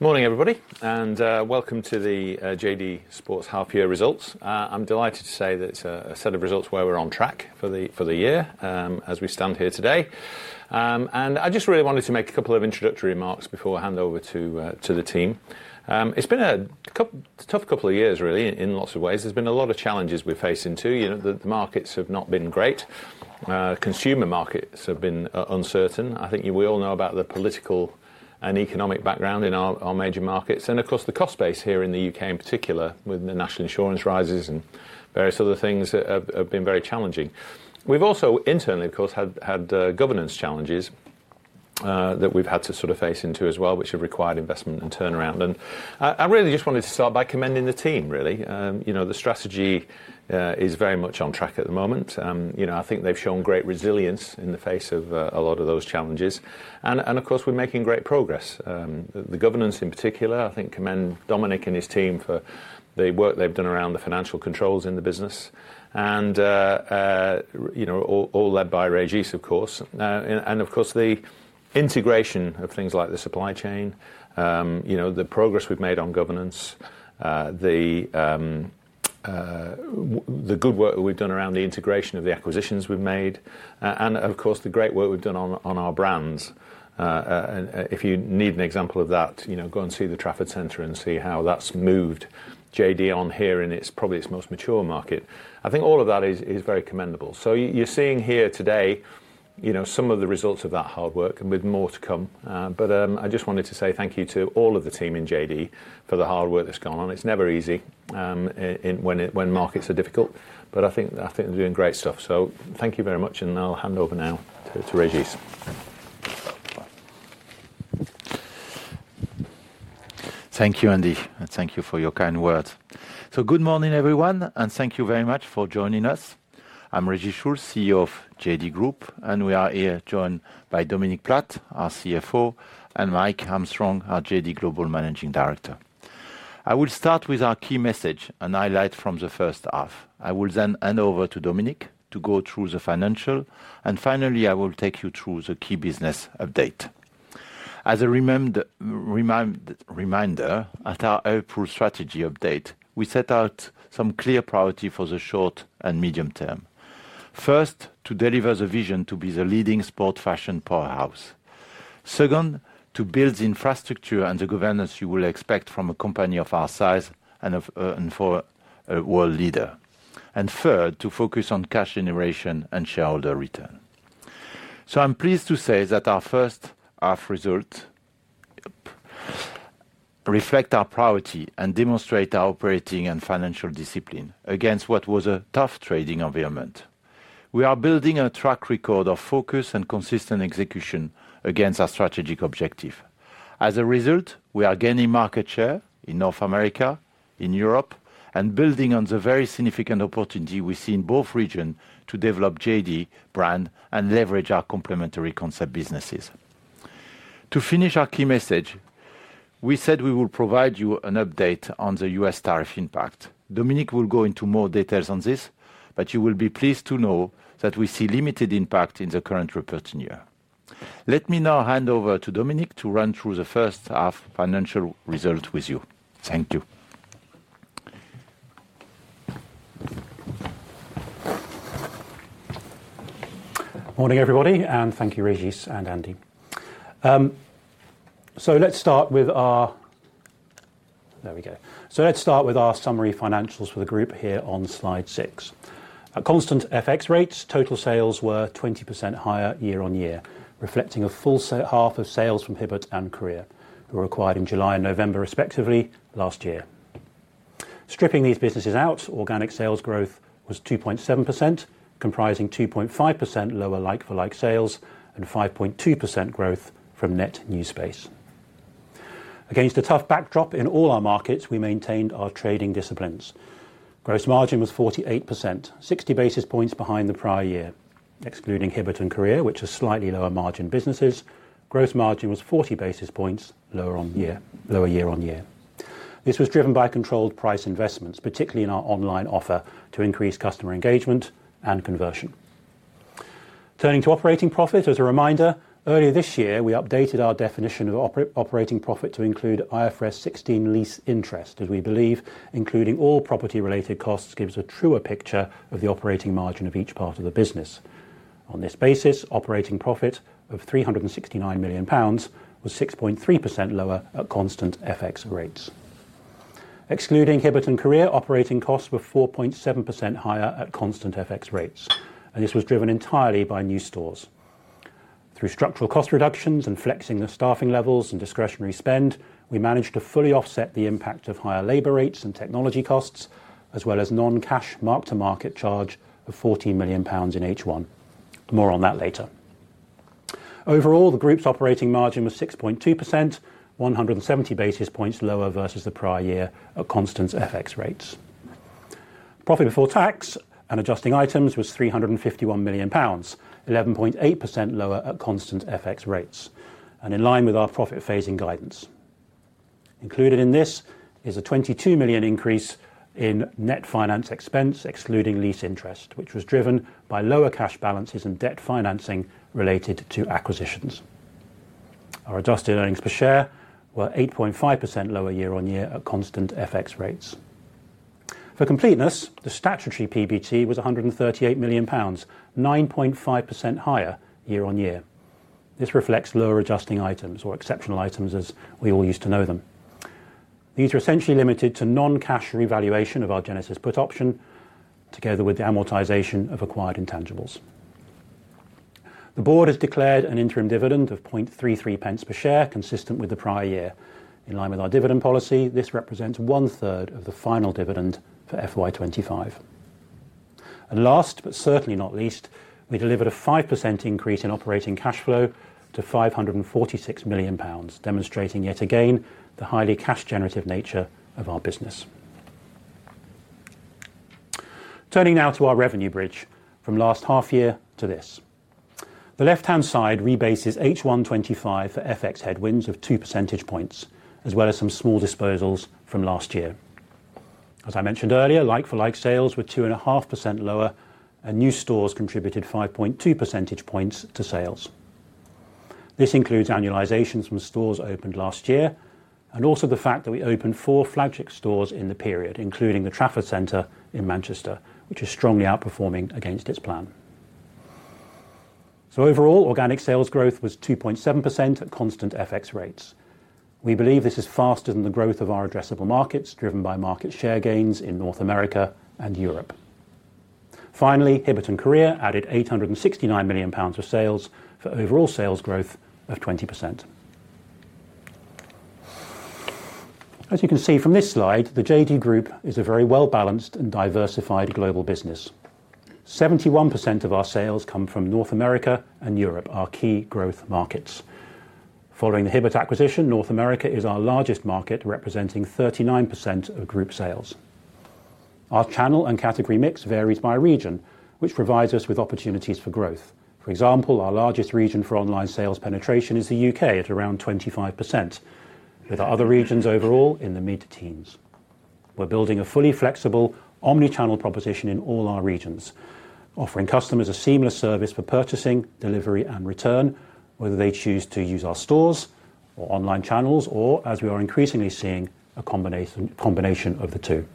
Morning everybody, and welcome to the JD Sports Half Year Results. I'm delighted to say that it's a set of results where we're on track for the year as we stand here today. I just really wanted to make a couple of introductory remarks before I hand over to the team. It's been a tough couple of years, really, in lots of ways. There's been a lot of challenges we're facing too. You know, the markets have not been great. Consumer markets have been uncertain. I think you all know about the political and economic background in our major markets. Of course, the cost base here in the UK in particular, with national insurance rises and various other things that have been very challenging. We've also internally, of course, had governance challenges that we've had to sort of face into as well, which have required investment and turnaround. I really just wanted to start by commending the team, really. The strategy is very much on track at the moment. I think they've shown great resilience in the face of a lot of those challenges. Of course, we're making great progress. The governance in particular, I think, commend Dominic and his team for the work they've done around the financial controls in the business. You know, all led by Régis, of course. Of course, the integration of things like the supply chain, the progress we've made on governance, the good work that we've done around the integration of the acquisitions we've made, and the great work we've done on our brands. If you need an example of that, go and see the Trafford Centre and see how that's moved JD on here in probably its most mature market. I think all of that is very commendable. You're seeing here today some of the results of that hard work, and with more to come. I just wanted to say thank you to all of the team in JD for the hard work that's gone on. It's never easy when markets are difficult. I think they're doing great stuff. Thank you very much, and I'll hand over now to Régis. Thank you, Andy, and thank you for your kind words. Good morning, everyone, and thank you very much for joining us. I'm Régis Schultz, CEO of JD Sports Fashion PLC, and we are here joined by Dominic Platt, our CFO, and Michael Armstrong, our JD Global Managing Director. I will start with our key message and highlight from the first half. I will then hand over to Dominic to go through the financials, and finally, I will take you through the key business update. As a reminder, at our April strategy update, we set out some clear priorities for the short and medium term. First, to deliver the vision to be the leading sport fashion powerhouse. Second, to build the infrastructure and the governance you would expect from a company of our size and for a world leader. Third, to focus on cash generation and shareholder return. I'm pleased to say that our first half results reflect our priority and demonstrate our operating and financial discipline against what was a tough trading environment. We are building a track record of focus and consistent execution against our strategic objective. As a result, we are gaining market share in North America and in Europe, and building on the very significant opportunity we see in both regions to develop the JD brand and leverage our complementary concept businesses. To finish our key message, we said we would provide you an update on the U.S. tariff impact. Dominic will go into more details on this, but you will be pleased to know that we see limited impact in the current reporting year. Let me now hand over to Dominic to run through the first half financial results with you. Thank you. Morning everybody, and thank you, Régis and Andy. Let's start with our summary financials for the group here on slide six. At constant FX rates, total sales were 20% higher year on year, reflecting a full half of sales from Hibbett and Courir that were acquired in July and November, respectively, last year. Stripping these businesses out, organic sales growth was 2.7%, comprising 2.5% lower like-for-like sales and 5.2% growth from net new space. Against a tough backdrop in all our markets, we maintained our trading disciplines. Gross margin was 48%, 60 basis points behind the prior year. Excluding Hibbett and Courir, which are slightly lower margin businesses, gross margin was 40 basis points lower year on year. This was driven by controlled price investments, particularly in our online offer to increase customer engagement and conversion. Turning to operating profit, as a reminder, earlier this year, we updated our definition of operating profit to include IFRS 16 lease interest, as we believe including all property-related costs gives a truer picture of the operating margin of each part of the business. On this basis, operating profit of £369 million was 6.3% lower at constant FX rates. Excluding Hibbett and Courir, operating costs were 4.7% higher at constant FX rates, and this was driven entirely by new stores. Through structural cost reductions and flexing the staffing levels and discretionary spend, we managed to fully offset the impact of higher labor rates and technology costs, as well as non-cash mark-to-market charge of £14 million in H1. More on that later. Overall, the group's operating margin was 6.2%, 170 basis points lower versus the prior year at constant FX rates. Profit before tax and adjusting items was £351 million, 11.8% lower at constant FX rates, and in line with our profit phasing guidance. Included in this is a £22 million increase in net finance expense, excluding lease interest, which was driven by lower cash balances and debt financing related to acquisitions. Our adjusted earnings per share were 8.5% lower year on year at constant FX rates. For completeness, the statutory PBT was £138 million, 9.5% higher year on year. This reflects lower adjusting items or exceptional items, as we all used to know them. These are essentially limited to non-cash revaluation of our Genesis put option, together with the amortization of acquired intangibles. The board has declared an interim dividend of £0.0033 per share, consistent with the prior year. In line with our dividend policy, this represents one-third of the final dividend for FY2025. Last but certainly not least, we delivered a 5% increase in operating cash flow to £546 million, demonstrating yet again the highly cash-generative nature of our business. Turning now to our revenue bridge from last half year to this. The left-hand side rebases H1 2025 for FX headwinds of 2 percentage points, as well as some small disposals from last year. As I mentioned earlier, like-for-like sales were 2.5% lower, and new stores contributed 5.2 percentage points to sales. This includes annualizations from stores opened last year, and also the fact that we opened four flagship stores in the period, including the Trafford Centre in Manchester, which is strongly outperforming against its plan. Overall, organic sales growth was 2.7% at constant FX rates. We believe this is faster than the growth of our addressable markets, driven by market share gains in North America and Europe. Finally, Hibbett and Courir added £869 million of sales for overall sales growth of 20%. As you can see from this slide, the JD Group is a very well-balanced and diversified global business. 71% of our sales come from North America and Europe, our key growth markets. Following the Hibbett acquisition, North America is our largest market, representing 39% of group sales. Our channel and category mix varies by region, which provides us with opportunities for growth. For example, our largest region for online sales penetration is the UK at around 25%, with our other regions overall in the mid-teens. We're building a fully flexible, omnichannel proposition in all our regions, offering customers a seamless service for purchasing, delivery, and return, whether they choose to use our stores or online channels, or, as we are increasingly seeing, a combination of the two.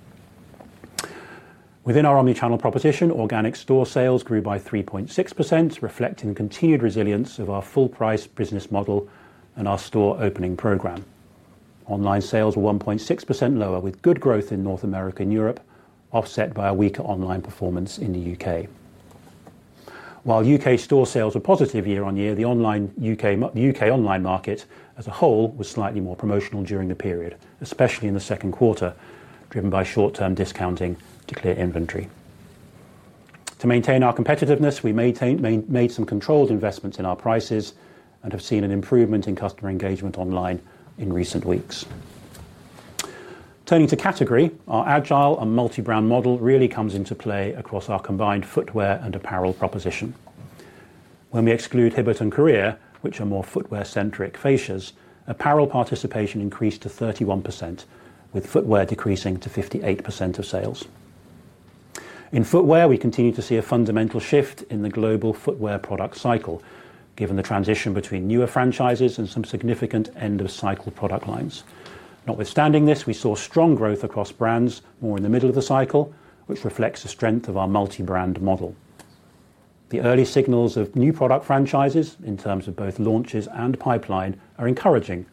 Within our omnichannel proposition, organic store sales grew by 3.6%, reflecting the continued resilience of our full-price business model and our store opening program. Online sales were 1.6% lower, with good growth in North America and Europe, offset by a weaker online performance in the UK. While UK store sales were positive year on year, the UK online market as a whole was slightly more promotional during the period, especially in the second quarter, driven by short-term discounting to clear inventory. To maintain our competitiveness, we made some controlled investments in our prices and have seen an improvement in customer engagement online in recent weeks. Turning to category, our agile and multi-brand model really comes into play across our combined footwear and apparel proposition. When we exclude Hibbett and Courir, which are more footwear-centric fascias, apparel participation increased to 31%, with footwear decreasing to 58% of sales. In footwear, we continue to see a fundamental shift in the global footwear product cycle, given the transition between newer franchises and some significant end-of-cycle product lines. Notwithstanding this, we saw strong growth across brands more in the middle of the cycle, which reflects the strength of our multi-brand model. The early signals of new product franchises, in terms of both launches and pipeline, are encouraging,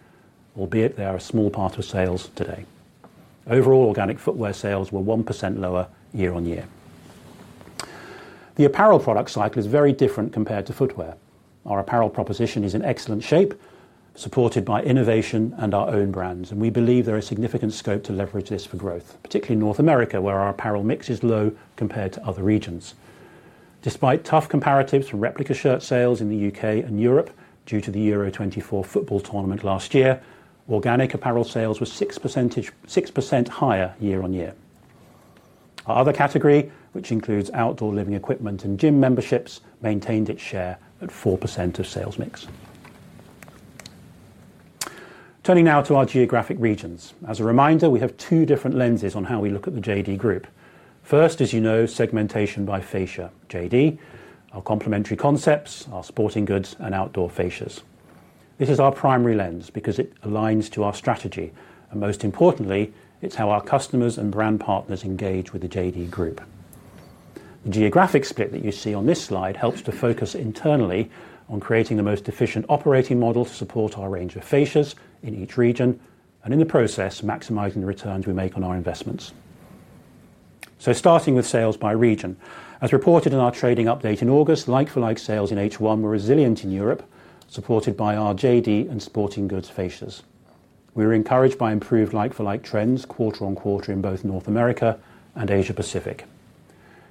albeit they are a small part of sales today. Overall, organic footwear sales were 1% lower year on year. The apparel product cycle is very different compared to footwear. Our apparel proposition is in excellent shape, supported by innovation and our own brands, and we believe there is significant scope to leverage this for growth, particularly in North America, where our apparel mix is low compared to other regions. Despite tough comparatives for replica shirt sales in the UK and Europe due to the Euro 2024 football tournament last year, organic apparel sales were 6% higher year on year. Our other category, which includes outdoor living equipment and gym memberships, maintained its share at 4% of sales mix. Turning now to our geographic regions. As a reminder, we have two different lenses on how we look at the JD Group. First, as you know, segmentation by fascia, JD, our complementary concepts, our sporting goods, and outdoor fascias. This is our primary lens because it aligns to our strategy, and most importantly, it's how our customers and brand partners engage with the JD Group. The geographic split that you see on this slide helps to focus internally on creating the most efficient operating model to support our range of fascias in each region and, in the process, maximizing the returns we make on our investments. Starting with sales by region. As reported in our trading update in August, like-for-like sales in H1 were resilient in Europe, supported by our JD and sporting goods fascias. We were encouraged by improved like-for-like trends quarter on quarter in both North America and Asia Pacific.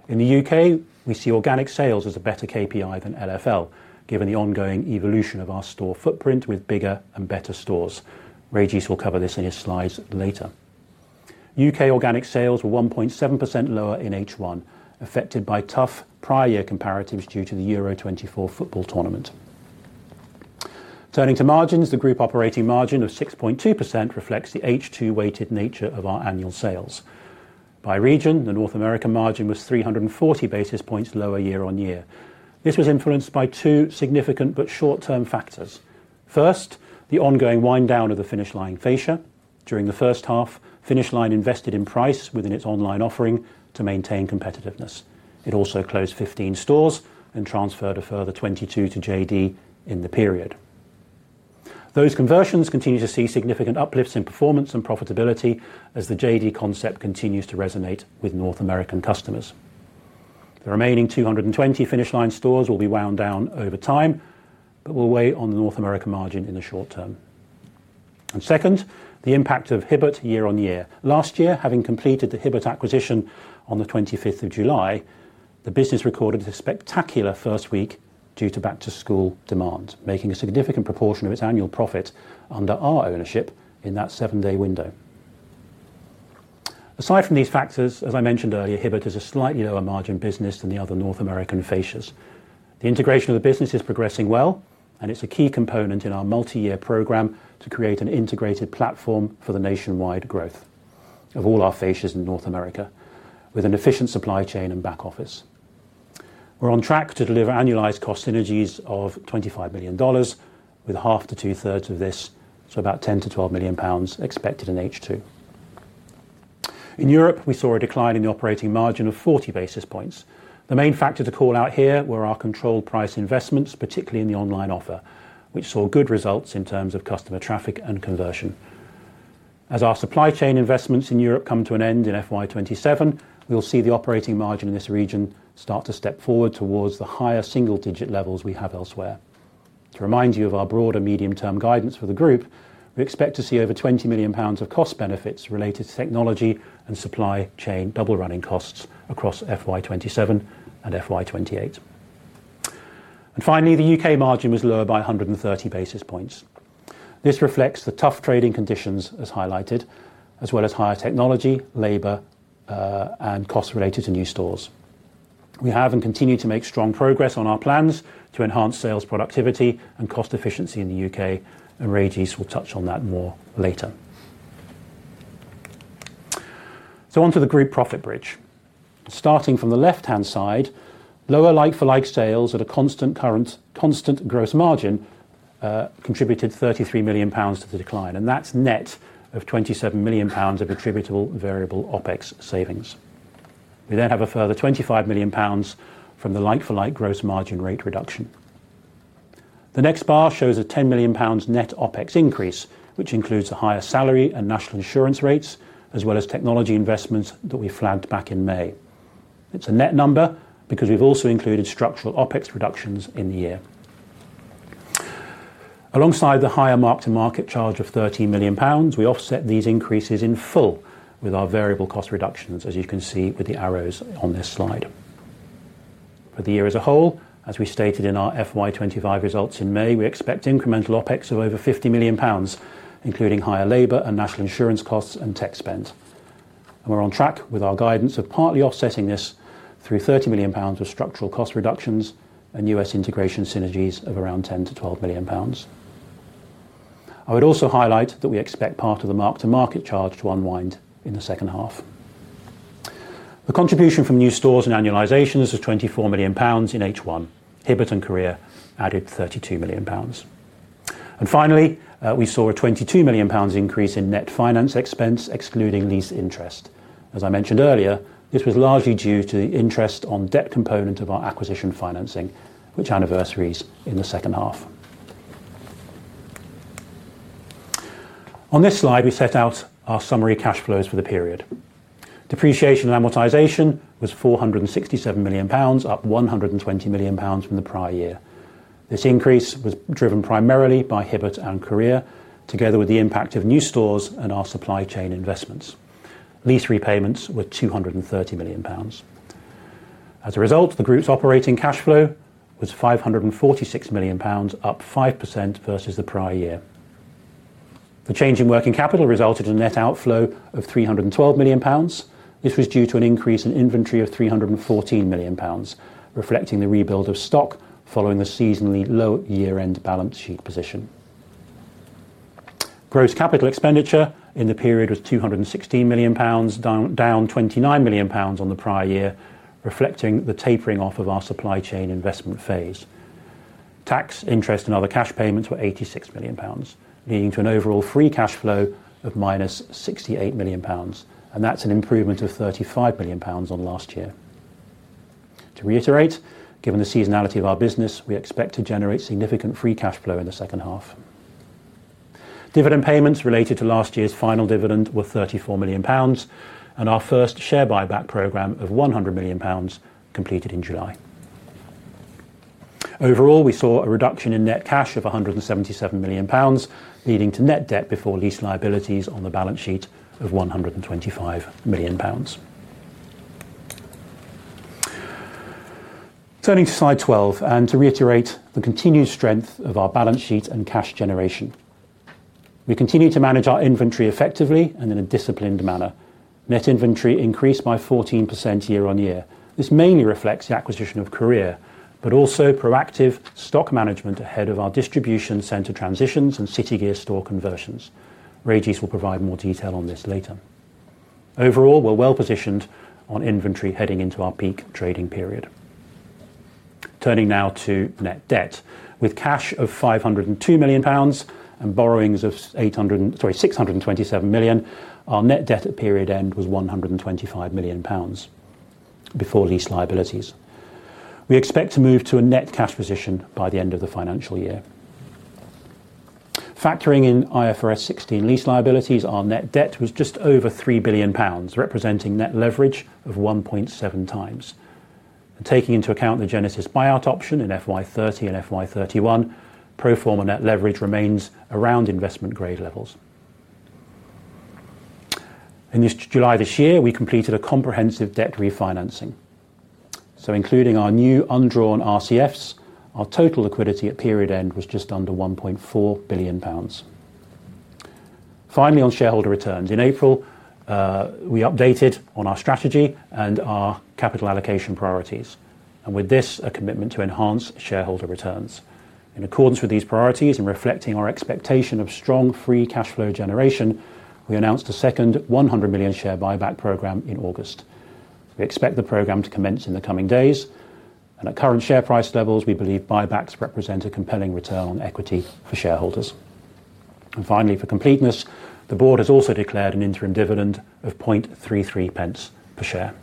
In the UK, we see organic sales as a better KPI than LFL, given the ongoing evolution of our store footprint with bigger and better stores. Régis will cover this in his slides later. UK organic sales were 1.7% lower in H1, affected by tough prior year comparatives due to the Euro 2024 football tournament. Turning to margins, the group operating margin of 6.2% reflects the H2-weighted nature of our annual sales. By region, the North American margin was 340 basis points lower year on year. This was influenced by two significant but short-term factors. First, the ongoing wind-down of the Finish Line fascia. During the first half, Finish Line invested in price within its online offering to maintain competitiveness. It also closed 15 stores and transferred a further 22 to JD in the period. Those conversions continue to see significant uplifts in performance and profitability as the JD concept continues to resonate with North American customers. The remaining 220 Finish Line stores will be wound down over time, but will weigh on the North American margin in the short term. Second, the impact of Hibbett year on year. Last year, having completed the Hibbett acquisition on the 25th of July, the business recorded a spectacular first week due to back-to-school demand, making a significant proportion of its annual profit under our ownership in that seven-day window. Aside from these factors, as I mentioned earlier, Hibbett is a slightly lower margin business than the other North American fascias. The integration of the business is progressing well, and it's a key component in our multi-year program to create an integrated platform for the nationwide growth of all our fascias in North America, with an efficient supply chain and back office. We're on track to deliver annualized cost synergies of $25 million, with half to two-thirds of this, so about £10 to £12 million, expected in H2. In Europe, we saw a decline in the operating margin of 40 basis points. The main factor to call out here were our controlled price investments, particularly in the online offer, which saw good results in terms of customer traffic and conversion. As our supply chain investments in Europe come to an end in FY2027, we'll see the operating margin in this region start to step forward towards the higher single-digit levels we have elsewhere. To remind you of our broader medium-term guidance for the group, we expect to see over £20 million of cost benefits related to technology and supply chain double running costs across FY27 and FY28. Finally, the UK margin was lower by 130 basis points. This reflects the tough trading conditions as highlighted, as well as higher technology, labor, and costs related to new stores. We have and continue to make strong progress on our plans to enhance sales productivity and cost efficiency in the UK, and Régis will touch on that more later. Onto the group profit bridge. Starting from the left-hand side, lower like-for-like sales at a constant gross margin contributed £33 million to the decline, and that's net of £27 million of attributable variable OpEx savings. We then have a further £25 million from the like-for-like gross margin rate reduction. The next bar shows a £10 million net OpEx increase, which includes a higher salary and national insurance rates, as well as technology investments that we flagged back in May. It's a net number because we've also included structural OpEx reductions in the year. Alongside the higher mark-to-market charge of £13 million, we offset these increases in full with our variable cost reductions, as you can see with the arrows on this slide. For the year as a whole, as we stated in our FY25 results in May, we expect incremental OpEx of over £50 million, including higher labor and national insurance costs and tech spend. We're on track with our guidance of partly offsetting this through £30 million of structural cost reductions and US integration synergies of around £10 to £12 million. I would also highlight that we expect part of the mark-to-market charge to unwind in the second half. A contribution from new stores and annualizations is £24 million in H1. Hibbett and Courir added £32 million. Finally, we saw a £22 million increase in net finance expense, excluding lease interest. As I mentioned earlier, this was largely due to the interest on debt component of our acquisition financing, which anniversaries in the second half. On this slide, we set out our summary cash flows for the period. Depreciation and amortization was £467 million, up £120 million from the prior year. This increase was driven primarily by Hibbett and Courir, together with the impact of new stores and our supply chain investments. Lease repayments were £230 million. As a result, the group's operating cash flow was £546 million, up 5% versus the prior year. The change in working capital resulted in a net outflow of £312 million. This was due to an increase in inventory of £314 million, reflecting the rebuild of stock following the seasonally low year-end balance sheet position. Gross capital expenditure in the period was £216 million, down £29 million on the prior year, reflecting the tapering off of our supply chain investment phase. Tax, interest, and other cash payments were £86 million, leading to an overall free cash flow of minus £68 million, and that's an improvement of £35 million on last year. To reiterate, given the seasonality of our business, we expect to generate significant free cash flow in the second half. Dividend payments related to last year's final dividend were £34 million, and our first share buyback program of £100 million completed in July. Overall, we saw a reduction in net cash of £177 million, leading to net debt before lease liabilities on the balance sheet of £125 million. Turning to slide 12 and to reiterate the continued strength of our balance sheet and cash generation, we continue to manage our inventory effectively and in a disciplined manner. Net inventory increased by 14% year on year. This mainly reflects the acquisition of Courir, but also proactive stock management ahead of our distribution center transitions and City Gear store conversions. Régis will provide more detail on this later. Overall, we're well positioned on inventory heading into our peak trading period. Turning now to net debt, with cash of £502 million and borrowings of £627 million, our net debt at period end was £125 million before lease liabilities. We expect to move to a net cash position by the end of the financial year. Factoring in IFRS 16 lease liabilities, our net debt was just over £3 billion, representing net leverage of 1.7 times. Taking into account the Genesis buyout option in FY30 and FY31, pro forma net leverage remains around investment grade levels. In July this year, we completed a comprehensive debt refinancing. Including our new undrawn RCFs, our total liquidity at period end was just under £1.4 billion. Finally, on shareholder returns, in April, we updated on our strategy and our capital allocation priorities, and with this, a commitment to enhance shareholder returns. In accordance with these priorities and reflecting our expectation of strong free cash flow generation, we announced a second £100 million share buyback program in August. We expect the program to commence in the coming days, and at current share price levels, we believe buybacks represent a compelling return on equity for shareholders. Finally, for completeness, the board has also declared an interim dividend of £0.0033 per share.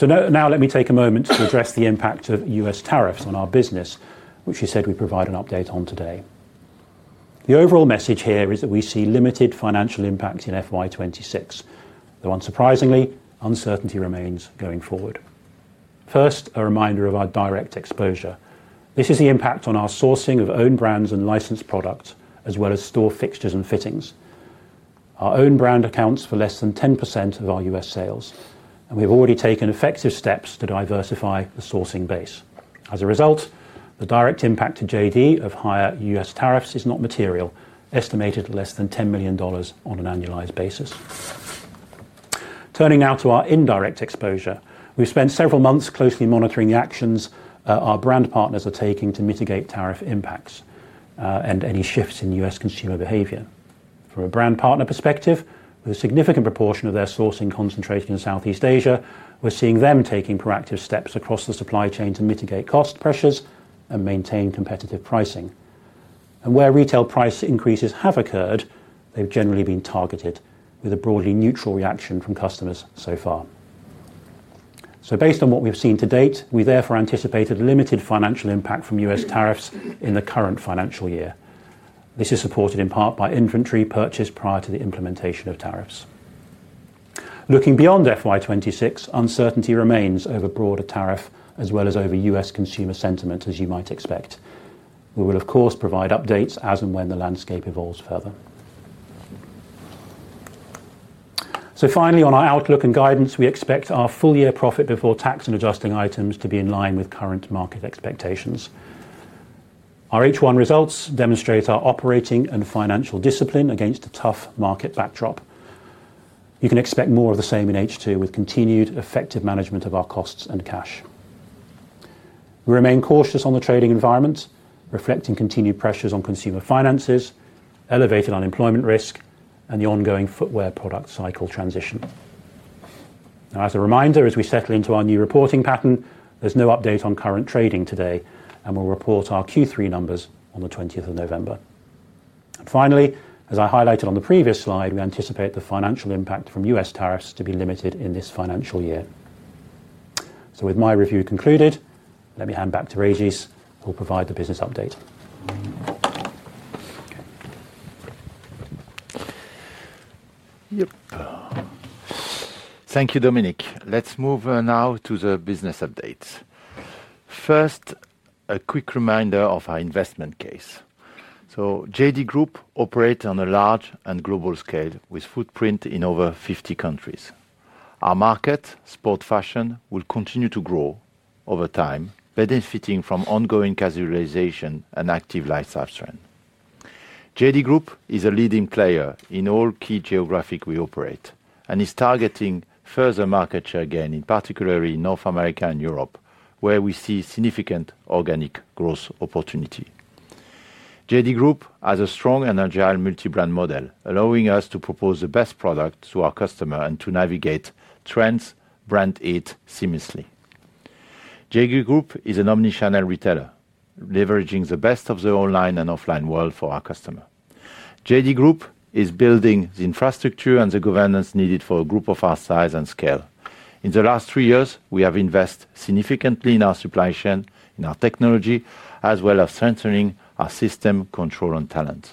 Now let me take a moment to address the impact of U.S. tariffs on our business, which we said we'd provide an update on today. The overall message here is that we see limited financial impact in FY2026, though unsurprisingly, uncertainty remains going forward. First, a reminder of our direct exposure. This is the impact on our sourcing of own brands and licensed products, as well as store fixtures and fittings. Our own brand accounts for less than 10% of our U.S. sales, and we've already taken effective steps to diversify the sourcing base. As a result, the direct impact to JD Sports Fashion PLC of higher U.S. tariffs is not material, estimated at less than $10 million on an annualized basis. Turning now to our indirect exposure, we've spent several months closely monitoring the actions our brand partners are taking to mitigate tariff impacts and any shifts in U.S. consumer behavior. From a brand partner perspective, with a significant proportion of their sourcing concentrated in Southeast Asia, we're seeing them taking proactive steps across the supply chain to mitigate cost pressures and maintain competitive pricing. Where retail price increases have occurred, they've generally been targeted, with a broadly neutral reaction from customers so far. Based on what we've seen to date, we therefore anticipate limited financial impact from U.S. tariffs in the current financial year. This is supported in part by inventory purchase prior to the implementation of tariffs. Looking beyond FY2026, uncertainty remains over broader tariff as well as over U.S. consumer sentiment, as you might expect. We will, of course, provide updates as and when the landscape evolves further. Finally, on our outlook and guidance, we expect our full-year profit before tax and adjusting items to be in line with current market expectations. Our H1 results demonstrate our operating and financial discipline against a tough market backdrop. You can expect more of the same in H2 with continued effective management of our costs and cash. We remain cautious on the trading environment, reflecting continued pressures on consumer finances, elevated unemployment risk, and the ongoing footwear product cycle transition. Now, as a reminder, as we settle into our new reporting pattern, there's no update on current trading today, and we'll report our Q3 numbers on the 20th of November. Finally, as I highlighted on the previous slide, we anticipate the financial impact from U.S. tariffs to be limited in this financial year. With my review concluded, let me hand back to Régis, who will provide the business update. Thank you, Dominic. Let's move now to the business updates. First, a quick reminder of our investment case. JD Group operates on a large and global scale with a footprint in over 50 countries. Our market, sport fashion, will continue to grow over time, benefiting from ongoing casualization and active lifestyle trends. JD Group is a leading player in all key geographic regions we operate and is targeting further market share gain, in particular North America and Europe, where we see significant organic growth opportunity. JD Group has a strong and agile multi-brand model, allowing us to propose the best product to our customers and to navigate trends branded seamlessly. JD Group is an omnichannel retailer, leveraging the best of the online and offline world for our customers. JD Group is building the infrastructure and the governance needed for a group of our size and scale. In the last three years, we have invested significantly in our supply chain, in our technology, as well as centering our system control and talent.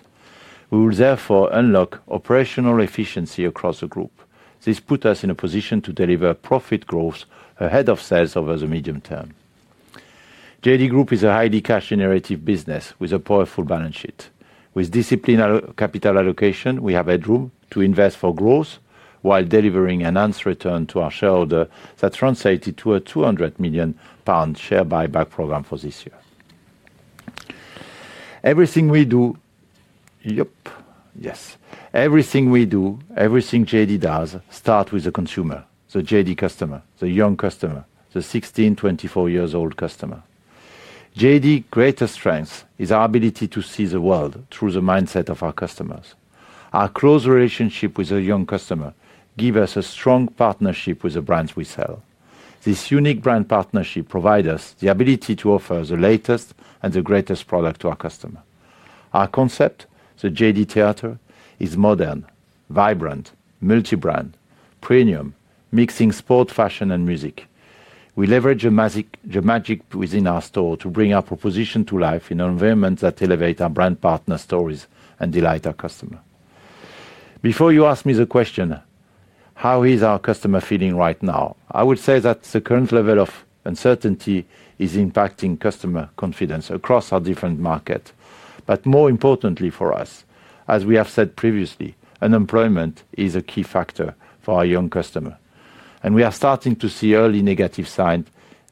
We will therefore unlock operational efficiency across the group. This puts us in a position to deliver profit growth ahead of sales over the medium term. JD Group is a highly cash-generative business with a powerful balance sheet. With disciplined capital allocation, we have headroom to invest for growth while delivering an answer return to our shareholders that translates into a £200 million share buyback program for this year. Everything we do, everything JD does starts with the consumer, the JD customer, the young customer, the 16, 24 years old customer. JD's greatest strength is our ability to see the world through the mindset of our customers. Our close relationship with the young customers gives us a strong partnership with the brands we sell. This unique brand partnership provides us the ability to offer the latest and the greatest product to our customers. Our concept, the JD Theatre, is modern, vibrant, multi-brand, premium, mixing sport, fashion, and music. We leverage the magic within our store to bring our proposition to life in an environment that elevates our brand partner's stories and delights our customers. Before you ask me the question, how is our customer feeling right now? I would say that the current level of uncertainty is impacting customer confidence across our different markets. More importantly for us, as we have said previously, unemployment is a key factor for our young customers. We are starting to see early negative signs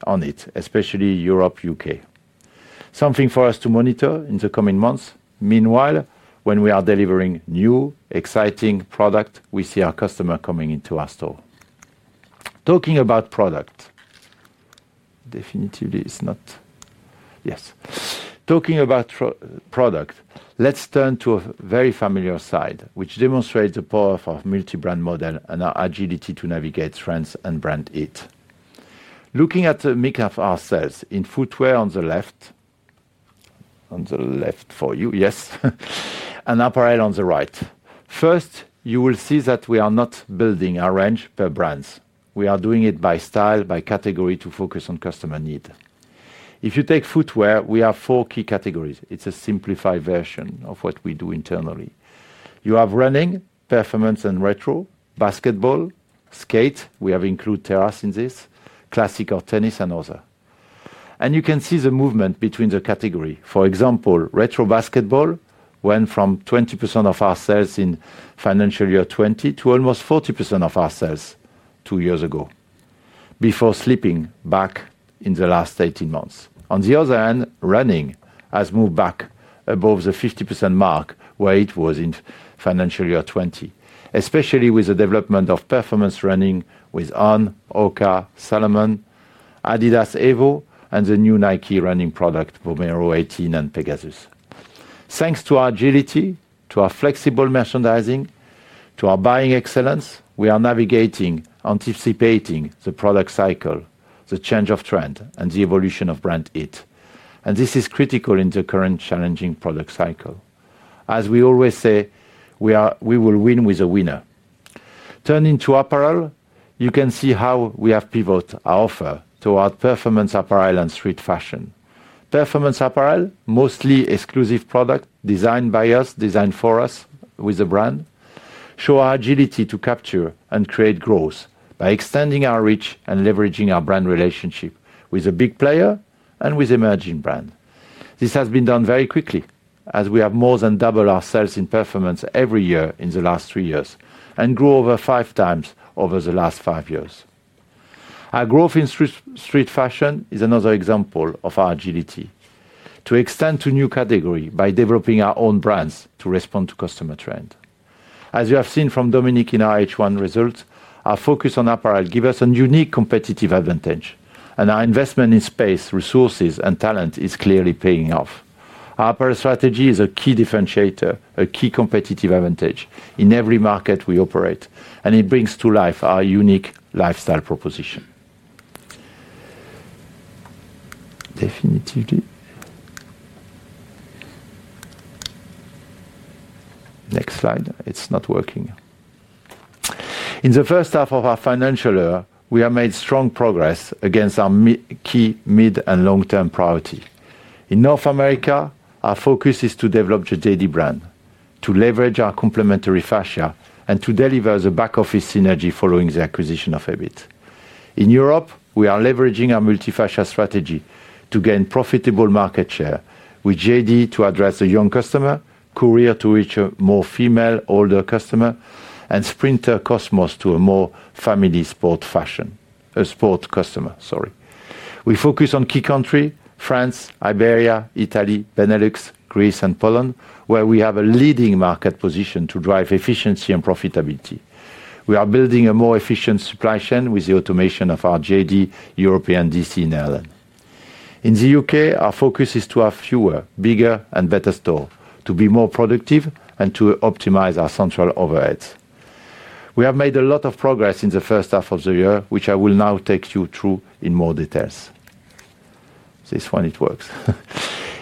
on it, especially in Europe and the UK. Something for us to monitor in the coming months. Meanwhile, when we are delivering new, exciting products, we see our customers coming into our store. Talking about product, definitely it's not... Yes. Talking about product, let's turn to a very familiar slide, which demonstrates the power of our multi-brand model and our agility to navigate trends and brand it. Looking at the makeup of our sales in footwear on the left, on the left for you, yes, and apparel on the right. First, you will see that we are not building our range per brand. We are doing it by style, by category, to focus on customer needs. If you take footwear, we have four key categories. It's a simplified version of what we do internally. You have running, performance, and retro, basketball, skate. We have included terrace in this, classic or tennis, and others. You can see the movement between the categories. For example, retro basketball went from 20% of our sales in financial year 2020 to almost 40% of our sales two years ago, before slipping back in the last 18 months. On the other hand, running has moved back above the 50% mark where it was in financial year 2020, especially with the development of performance running with On, HOKA, Salomon, Adidas Evo, and the new Nike running product, Pomerleau 18, and Pegasus. Thanks to our agility, to our flexible merchandising, to our buying excellence, we are navigating, anticipating the product cycle, the change of trend, and the evolution of brand it. This is critical in the current challenging product cycle. As we always say, we will win with a winner. Turning to apparel, you can see how we have pivoted our offer toward performance apparel and street fashion. Performance apparel, mostly exclusive products designed by us, designed for us, with a brand, shows our agility to capture and create growth by extending our reach and leveraging our brand relationship with a big player and with emerging brands. This has been done very quickly, as we have more than doubled our sales in performance every year in the last three years and grown over five times over the last five years. Our growth in street fashion is another example of our agility to extend to a new category by developing our own brands to respond to customer trends. As you have seen from Dominic in our H1 results, our focus on apparel gives us a unique competitive advantage, and our investment in space, resources, and talent is clearly paying off. Our apparel strategy is a key differentiator, a key competitive advantage in every market we operate, and it brings to life our unique lifestyle proposition. Definitely. Next slide. It's not working. In the first half of our financial era, we have made strong progress against our key mid and long-term priorities. In North America, our focus is to develop the JD brand, to leverage our complementary fascia, and to deliver the back-office synergy following the acquisition of Hibbett. In Europe, we are leveraging our multi-fascia strategy to gain profitable market share, with JD to address the young customer, Courir to reach a more female, older customer, and Sprinter Cosmos to a more family sport fashion, a sport customer, sorry. We focus on key countries: France, Iberia, Italy, the Benelux, Greece, and Poland, where we have a leading market position to drive efficiency and profitability. We are building a more efficient supply chain with the automation of our JD, European, DC, and Ireland. In the UK, our focus is to have fewer, bigger, and better stores to be more productive and to optimize our central overheads. We have made a lot of progress in the first half of the year, which I will now take you through in more details. This one, it works.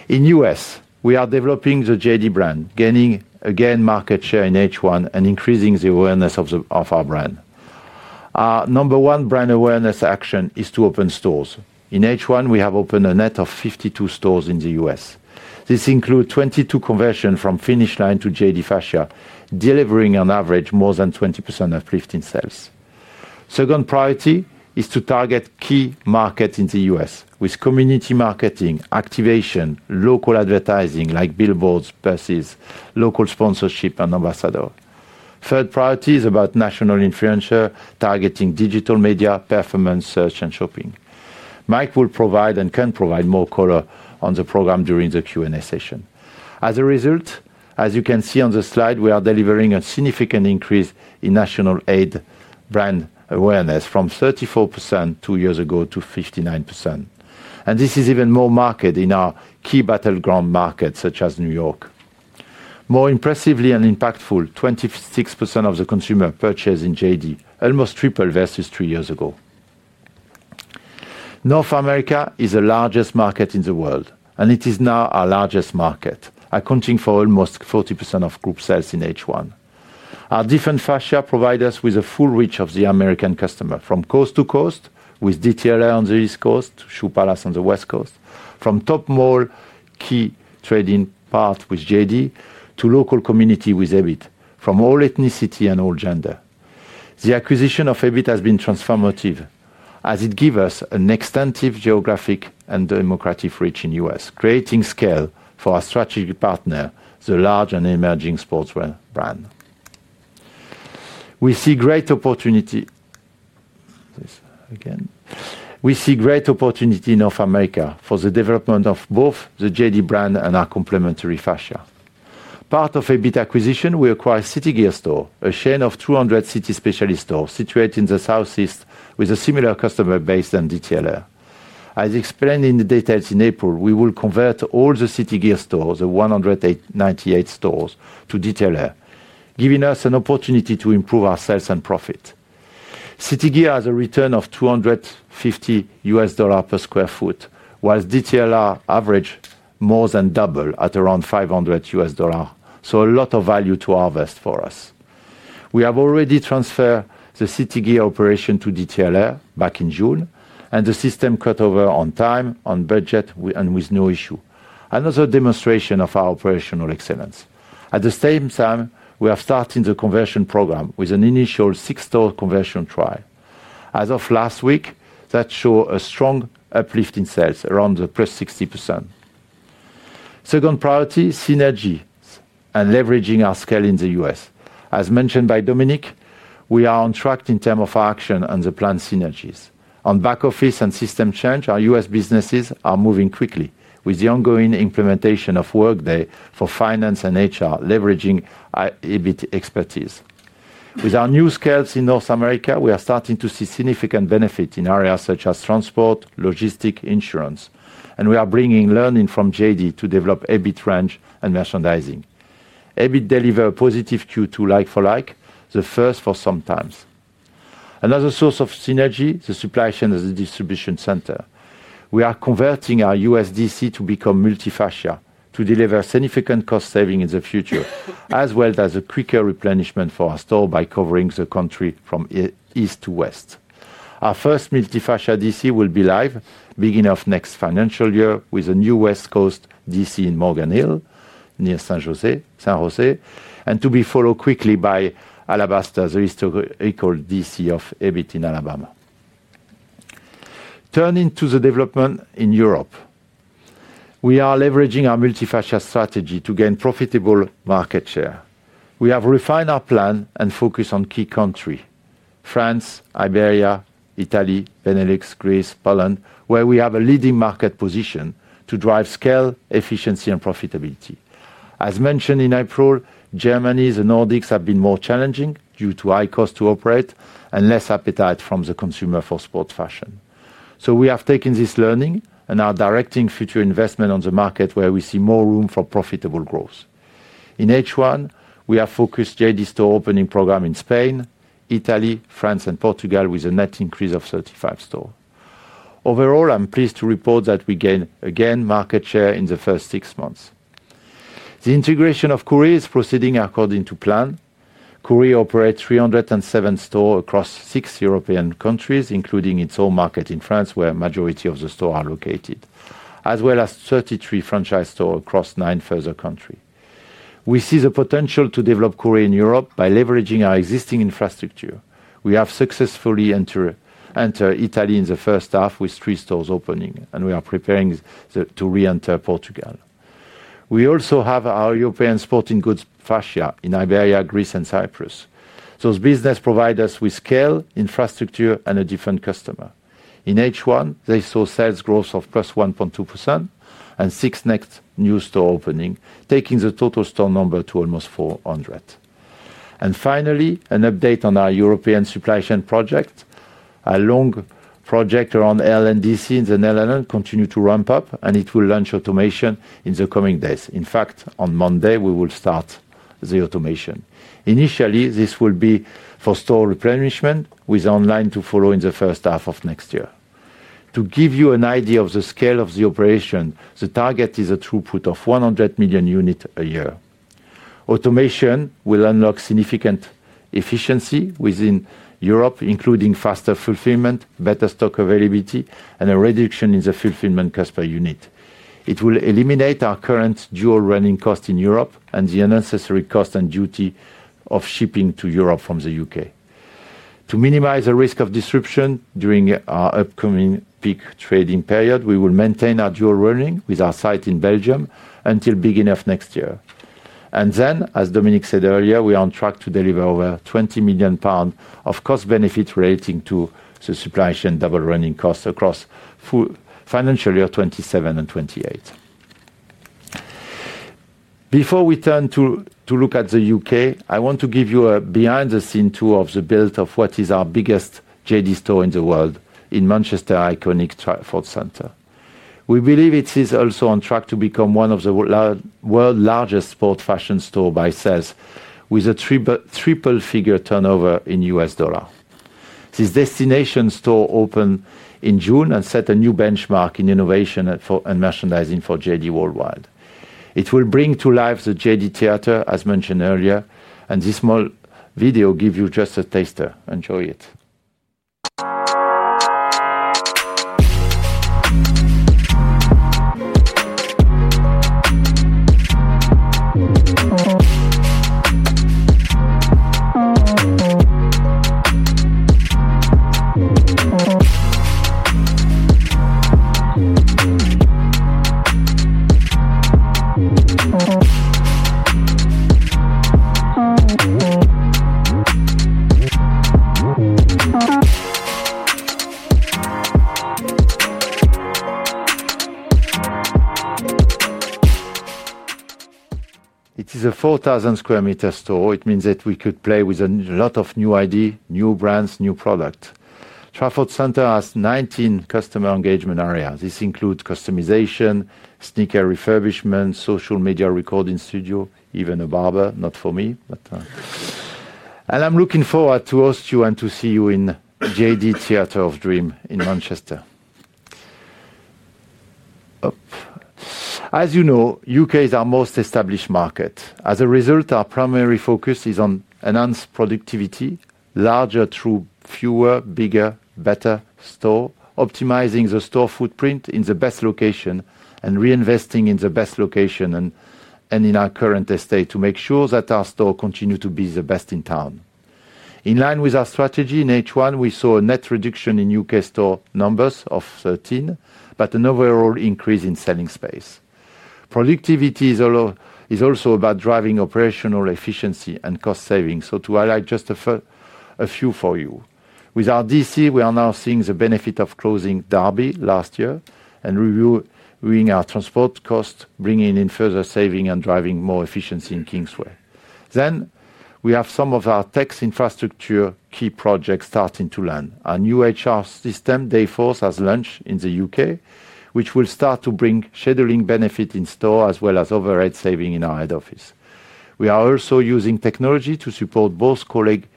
In the US, we are developing the JD brand, gaining again market share in H1, and increasing the awareness of our brand. Our number one brand awareness action is to open stores. In H1, we have opened a net of 52 stores in the US. This includes 22 conversions from Finish Line to JD fascia, delivering on average more than 20% of lift-in sales. The second priority is to target key markets in the US, with community marketing, activation, local advertising like billboards, buses, local sponsorship, and ambassadors. The third priority is about national influencers targeting digital media, performance, search, and shopping. Mike will provide and can provide more color on the program during the Q&A session. As a result, as you can see on the slide, we are delivering a significant increase in national aid brand awareness from 34% two years ago to 59%. This is even more marketed in our key battleground markets such as New York. More impressively and impactful, 26% of the consumers purchase in JD, almost tripled versus three years ago. North America is the largest market in the world, and it is now our largest market, accounting for almost 40% of group sales in H1. Our different fascias provide us with a full reach of the American customer, from coast to coast, with DTLR on the East Coast, Shoe Palace on the West Coast, from top mall key trading parts with JD to local communities with Hibbett, from all ethnicity and all gender. The acquisition of Hibbett has been transformative, as it gives us an extensive geographic and demographic reach in the U.S., creating scale for our strategic partner, the large and emerging sports brand. We see great opportunity in North America for the development of both the JD brand and our complementary fascia. Part of Hibbett's acquisition, we acquired City Gear Store, a chain of 200 city specialty stores situated in the Southeast with a similar customer base to DTLR. As explained in the details in April, we will convert all the City Gear Store, the 198 stores, to DTLR, giving us an opportunity to improve our sales and profit. City Gear has a return of $250 per square foot, whilst DTLR averages more than double at around $500, so a lot of value to harvest for us. We have already transferred the City Gear operation to DTLR back in June, and the system cut over on time, on budget, and with no issue. Another demonstration of our operational excellence. At the same time, we are starting the conversion program with an initial six-store conversion trial. As of last week, that shows a strong uplift in sales around the plus 60%. The second priority is synergies and leveraging our scale in the U.S. As mentioned by Dominic, we are on track in terms of our action and the planned synergies. On back office and system change, our U.S. businesses are moving quickly with the ongoing implementation of Workday for finance and HR, leveraging Hibbett's expertise. With our new scales in North America, we are starting to see significant benefits in areas such as transport, logistics, and insurance, and we are bringing learning from JD to develop Hibbett's range and merchandising. Hibbett delivers a positive Q2 like-for-like, the first for some time. Another source of synergy is the supply chain and the distribution center. We are converting our U.S. DC to become multi-fascia to deliver significant cost savings in the future, as well as a quicker replenishment for our store by covering the country from east to west. Our first multi-fascia DC will be live at the beginning of next financial year with a new West Coast DC in Morgan Hill near San Jose, to be followed quickly by Alabaster, the historical DC of Hibbett in Alabama. Turning to the development in Europe, we are leveraging our multi-fascia strategy to gain profitable market share. We have refined our plan and focus on key countries: France, Iberia, Italy, the Benelux, Greece, and Poland, where we have a leading market position to drive scale, efficiency, and profitability. As mentioned in April, Germany and the Nordics have been more challenging due to high costs to operate and less appetite from the consumer for sports fashion. We have taken this learning and are directing future investment on the markets where we see more room for profitable growth. In H1, we have focused on the JD store opening program in Spain, Italy, France, and Portugal with a net increase of 35 stores. Overall, I'm pleased to report that we gained market share in the first six months. The integration of Courir is proceeding according to plan. Courir operates 307 stores across six European countries, including its own market in France, where the majority of the stores are located, as well as 33 franchise stores across nine further countries. We see the potential to develop Courir in Europe by leveraging our existing infrastructure. We have successfully entered Italy in the first half with three stores opening, and we are preparing to re-enter Portugal. We also have our European sporting goods fascia in Iberia, Greece, and Cyprus. Those businesses provide us with scale, infrastructure, and a different customer. In H1, they saw sales growth of +1.2% and six new store openings, taking the total store number to almost 400. Finally, an update on our European supply chain project. Our long project around L&D scenes and LLMs continues to ramp up, and it will launch automation in the coming days. In fact, on Monday, we will start the automation. Initially, this will be for store replenishment, with online to follow in the first half of next year. To give you an idea of the scale of the operation, the target is a throughput of 100 million units a year. Automation will unlock significant efficiency within Europe, including faster fulfillment, better stock availability, and a reduction in the fulfillment cost per unit. It will eliminate our current dual running cost in Europe and the unnecessary cost and duty of shipping to Europe from the UK. To minimize the risk of disruption during our upcoming peak trading period, we will maintain our dual running with our site in Belgium until the beginning of next year. As Dominic said earlier, we are on track to deliver over £20 million of cost benefits relating to the supply chain double running costs across financial year 2027 and 2028. Before we turn to look at the UK, I want to give you a behind-the-scenes tour of the build of what is our biggest JD store in the world, in Manchester's iconic Trafford Centre. We believe it is also on track to become one of the world's largest sports fashion stores by sales, with a triple figure turnover in US dollars. This destination store opened in June and set a new benchmark in innovation and merchandising for JD worldwide. It will bring to life the JD Theatre, as mentioned earlier, and this small video gives you just a taster. Enjoy it. It is a 4,000 square meter store. It means that we could play with a lot of new ideas, new brands, new products. Trafford Centre has 19 customer engagement areas. This includes customization, sneaker refurbishment, social media recording studio, even a barber, not for me, but... I'm looking forward to host you and to see you in the JD Theatre of Dream in Manchester. As you know, the UK is our most established market. As a result, our primary focus is on enhanced productivity, larger through fewer, bigger, better stores, optimizing the store footprint in the best location, and reinvesting in the best location and in our current estate to make sure that our stores continue to be the best in town. In line with our strategy in H1, we saw a net reduction in UK store numbers of 13, but an overall increase in selling space. Productivity is also about driving operational efficiency and cost savings, so to highlight just a few for you. With our DC, we are now seeing the benefit of closing Derby last year and reviewing our transport costs, bringing in further savings and driving more efficiency in Kingsway. We have some of our tech infrastructure key projects starting to land. Our new HR system, Dayforce, has launched in the UK, which will start to bring scheduling benefits in stores, as well as overhead savings in our head office. We are also using technology to support both colleagues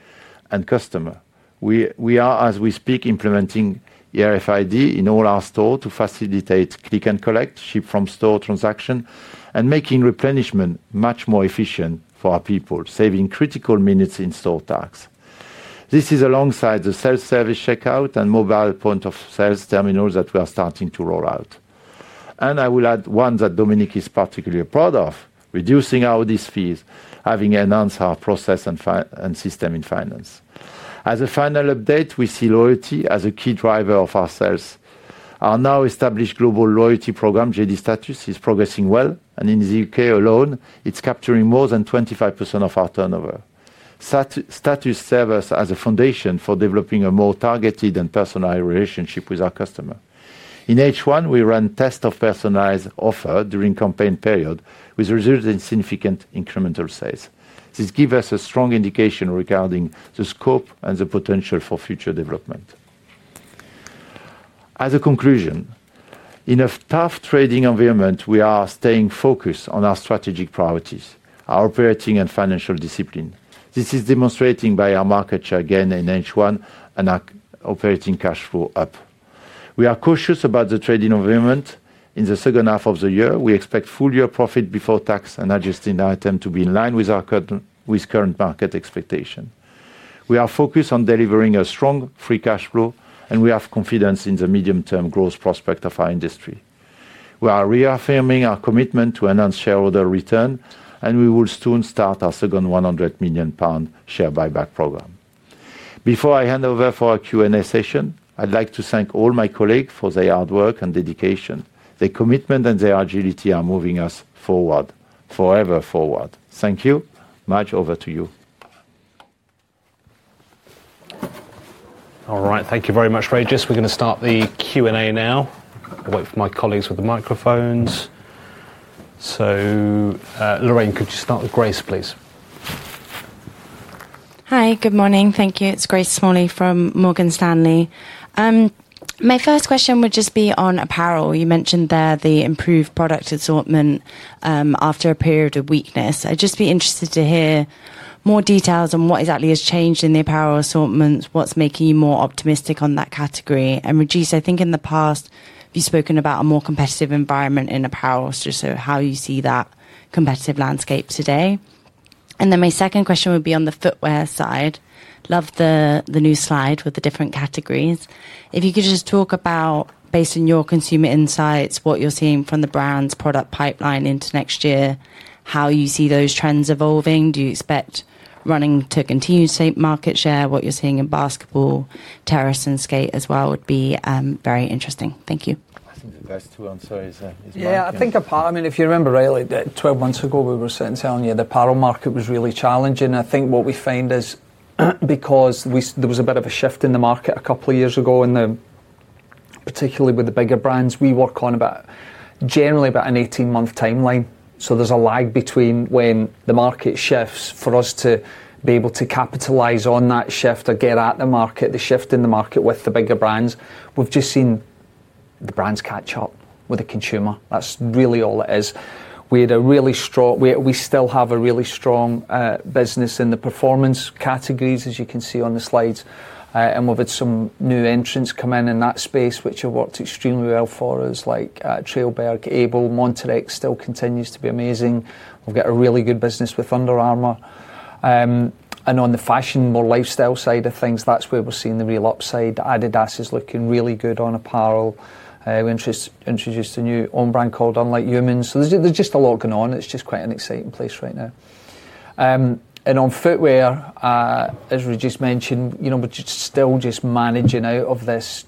and customers. We are, as we speak, implementing ERFID in all our stores to facilitate click and collect, ship from store transactions, and making replenishment much more efficient for our people, saving critical minutes in store tags. This is alongside the self-service checkout and mobile point-of-sale terminals that we are starting to roll out. I will add one that Dominic is particularly proud of: reducing our audit fees, having enhanced our process and system in finance. As a final update, we see loyalty as a key driver of our sales. Our now established global loyalty program, JD STATUS, is progressing well, and in the UK alone, it's capturing more than 25% of our turnover. STATUS serves us as a foundation for developing a more targeted and personalized relationship with our customers. In H1, we ran tests of personalized offers during the campaign period, which resulted in significant incremental sales. This gives us a strong indication regarding the scope and the potential for future development. As a conclusion, in a tough trading environment, we are staying focused on our strategic priorities, our operating and financial discipline. This is demonstrated by our market share gain in H1 and our operating cash flow up. We are cautious about the trading environment. In the second half of the year, we expect full-year profit before tax and adjusting items to be in line with our current market expectations. We are focused on delivering a strong free cash flow, and we have confidence in the medium-term growth prospects of our industry. We are reaffirming our commitment to enhance shareholder return, and we will soon start our second £100 million share buyback program. Before I hand over for our Q&A session, I'd like to thank all my colleagues for their hard work and dedication. Their commitment and their agility are moving us forward, forever forward. Thank you. Over to you. All right, thank you very much, Régis. We're going to start the Q&A now. I'll wait for my colleagues with the microphones. Lorraine, could you start with Grace, please? Hi, good morning. Thank you. It's Grace Smalley from Morgan Stanley. My first question would just be on apparel. You mentioned the improved product assortment after a period of weakness. I'd just be interested to hear more details on what exactly has changed in the apparel assortment, what's making you more optimistic on that category. Régis, I think in the past you've spoken about a more competitive environment in apparel, how you see that competitive landscape today. My second question would be on the footwear side. Love the new slide with the different categories. If you could just talk about, based on your consumer insights, what you're seeing from the brands' product pipeline into next year, how you see those trends evolving, do you expect running to continue to save market share, what you're seeing in basketball, terrace, and skate as well would be very interesting. Thank you. I think the first two answers are... Yeah, I think apparel, I mean, if you remember earlier, 12 months ago we were saying the apparel market was really challenging. I think what we find is because there was a bit of a shift in the market a couple of years ago, and particularly with the bigger brands, we work on about generally about an 18-month timeline. There's a lag between when the market shifts for us to be able to capitalize on that shift or get at the market, the shift in the market with the bigger brands. We've just seen the brands catch up with the consumer. That's really all it is. We had a really strong, we still have a really strong business in the performance categories, as you can see on the slides. We've had some new entrants come in in that space, which have worked extremely well for us, like Trailberg, Abel, Monterick still continues to be amazing. We've got a really good business with Under Armour. On the fashion and more lifestyle side of things, that's where we're seeing the real upside. Adidas is looking really good on apparel. We introduced a new home brand called Unlike Human. There's just a lot going on. It's just quite an exciting place right now. On footwear, as Régis mentioned, we're still just managing out of this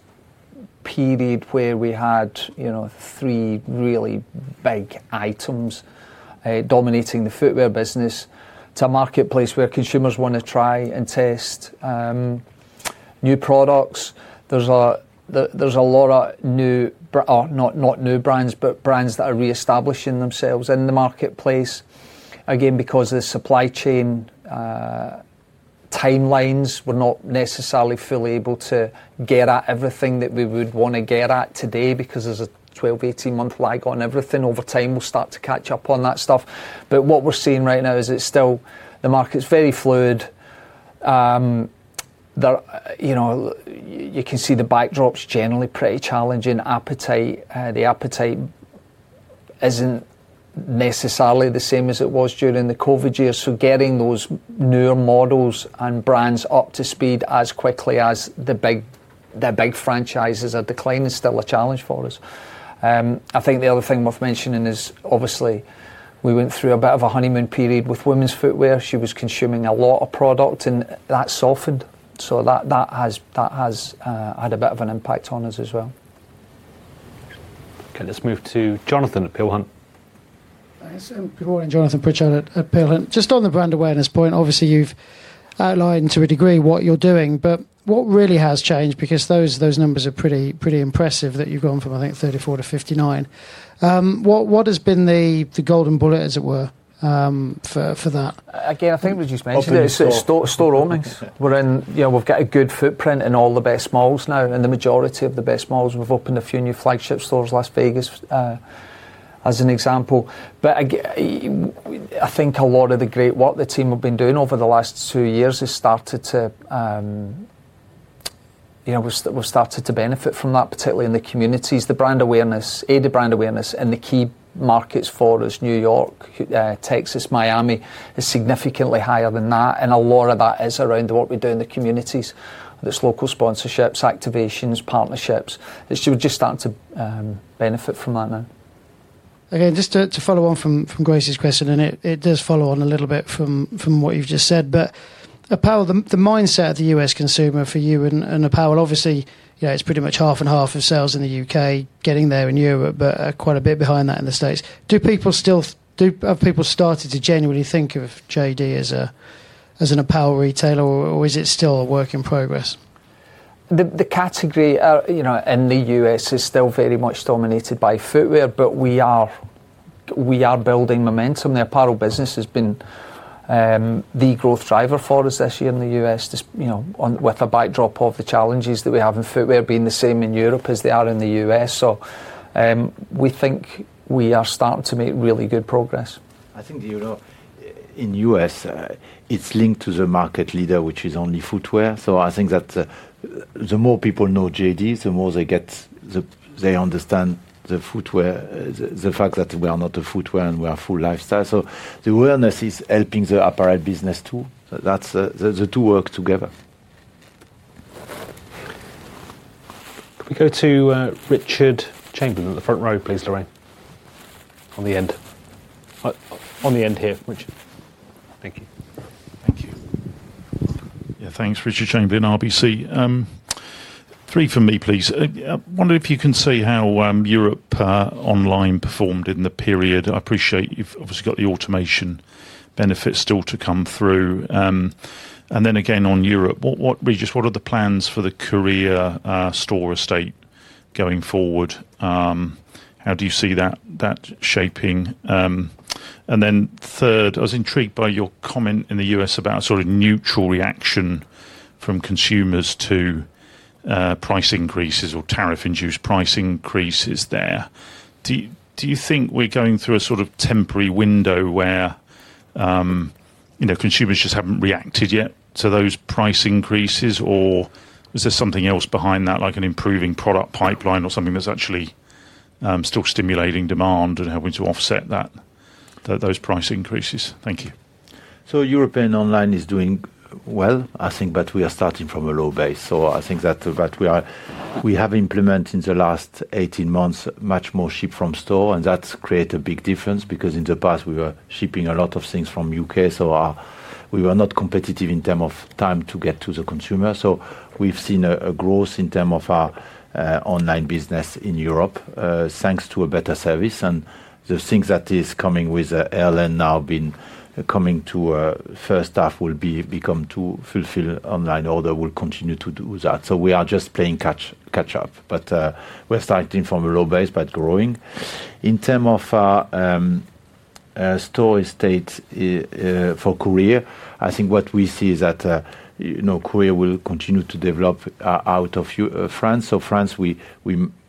period where we had three really big items dominating the footwear business. It's a marketplace where consumers want to try and test new products. There's a lot of new, or not new brands, but brands that are reestablishing themselves in the marketplace. Again, because the supply chain timelines, we're not necessarily fully able to get at everything that we would want to get at today because there's a 12-18 month lag on everything. Over time, we'll start to catch up on that stuff. What we're seeing right now is it's still, the market's very fluid. You can see the backdrop's generally pretty challenging. The appetite isn't necessarily the same as it was during the COVID years, so getting those newer models and brands up to speed as quickly as their big franchises are declining is still a challenge for us. I think the other thing worth mentioning is, obviously, we went through a bit of a honeymoon period with women's footwear. She was consuming a lot of product, and that softened. That has had a bit of an impact on us as well. Okay, let's move to Jonathan at Peel Hunt. Good morning, Jonathan Pritchard at Peel Hunt. Just on the brand awareness point, obviously you've outlined to a degree what you're doing, but what really has changed because those numbers are pretty impressive that you've gone from, I think, 34 to 59. What has been the golden bullet, as it were, for that? Again, I think, as you mentioned, it's store owners. We've got a good footprint in all the best malls now, and the majority of the best malls. We've opened a few new flagship stores, Las Vegas as an example. I think a lot of the great work the team have been doing over the last two years has started to, you know, we've started to benefit from that, particularly in the communities. The brand awareness, the brand awareness in the key markets for us, New York, Texas, Miami, is significantly higher than that, and a lot of that is around the work we do in the communities. There's local sponsorships, activations, partnerships, and we're just starting to benefit from that now. Again, just to follow on from Grace's question, it does follow on a little bit from what you've just said, but apparel, the mindset of the U.S. consumer for you and apparel, obviously, you know, it's pretty much half and half of sales in the UK, getting there in Europe, but quite a bit behind that in the States. Do people still, do people start to genuinely think of JD as an apparel retailer, or is it still a work in progress? The category, you know, in the U.S. is still very much dominated by footwear, but we are building momentum. The apparel business has been the growth driver for us this year in the U.S., you know, with a backdrop of the challenges that we have in footwear being the same in Europe as they are in the U.S. We think we are starting to make really good progress. I think, you know, in the US, it's linked to the market leader, which is only footwear. I think that the more people know JD, the more they get, they understand the footwear, the fact that we are not a footwear and we are a full lifestyle. The awareness is helping the apparel business too. That's the two work together. Go to Richard Chamberlain at the front row, please, Lorraine. On the end. On the end here, Richard. Thank you. Thank you. Yeah, thanks, Richard Chamberlain, RBC. Three for me, please. I wonder if you can see how Europe online performed in the period. I appreciate you've obviously got the automation benefits still to come through. On Europe, Régis, what are the plans for the Courir store estate going forward? How do you see that shaping? Third, I was intrigued by your comment in the U.S. about a sort of neutral reaction from consumers to price increases or tariff-induced price increases there. Do you think we're going through a sort of temporary window where, you know, consumers just haven't reacted yet to those price increases, or is there something else behind that, like an improving product pipeline or something that's actually still stimulating demand and helping to offset those price increases? Thank you. European online is doing well, I think, but we are starting from a low base. I think that we have implemented in the last 18 months much more ship from store, and that's created a big difference because in the past we were shipping a lot of things from the UK, so we were not competitive in terms of time to get to the consumer. We've seen a growth in terms of our online business in Europe, thanks to a better service. The things that are coming with LLM now have been coming to the first half, will become to fulfill online orders, and will continue to do that. We are just playing catch-up, but we're starting from a low base, but growing. In terms of store estate for Courir, I think what we see is that Courir will continue to develop out of France. France,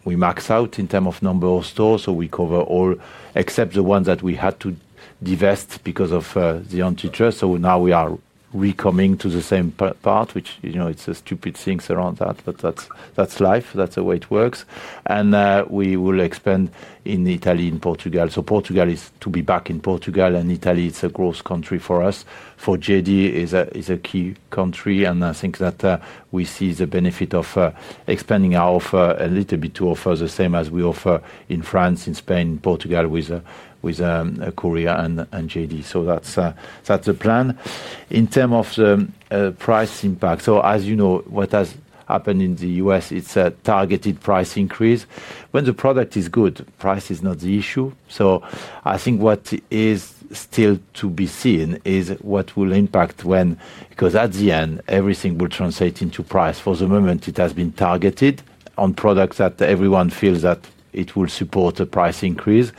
we max out in terms of number of stores, so we cover all except the ones that we had to divest because of the anti-trust. Now we are recoming to the same part, which, you know, it's a stupid thing around that, but that's life. That's the way it works. We will expand in Italy and Portugal. Portugal is to be back in Portugal, and Italy is a growth country for us. For JD, it's a key country, and I think that we see the benefit of expanding our offer a little bit to offer the same as we offer in France, in Spain, in Portugal with Courir and JD. That's the plan. In terms of the price impact, as you know, what has happened in the US, it's a targeted price increase. When the product is good, price is not the issue. I think what is still to be seen is what will impact when, because at the end, everything will translate into price. For the moment, it has been targeted on products that everyone feels that it will support a price increase.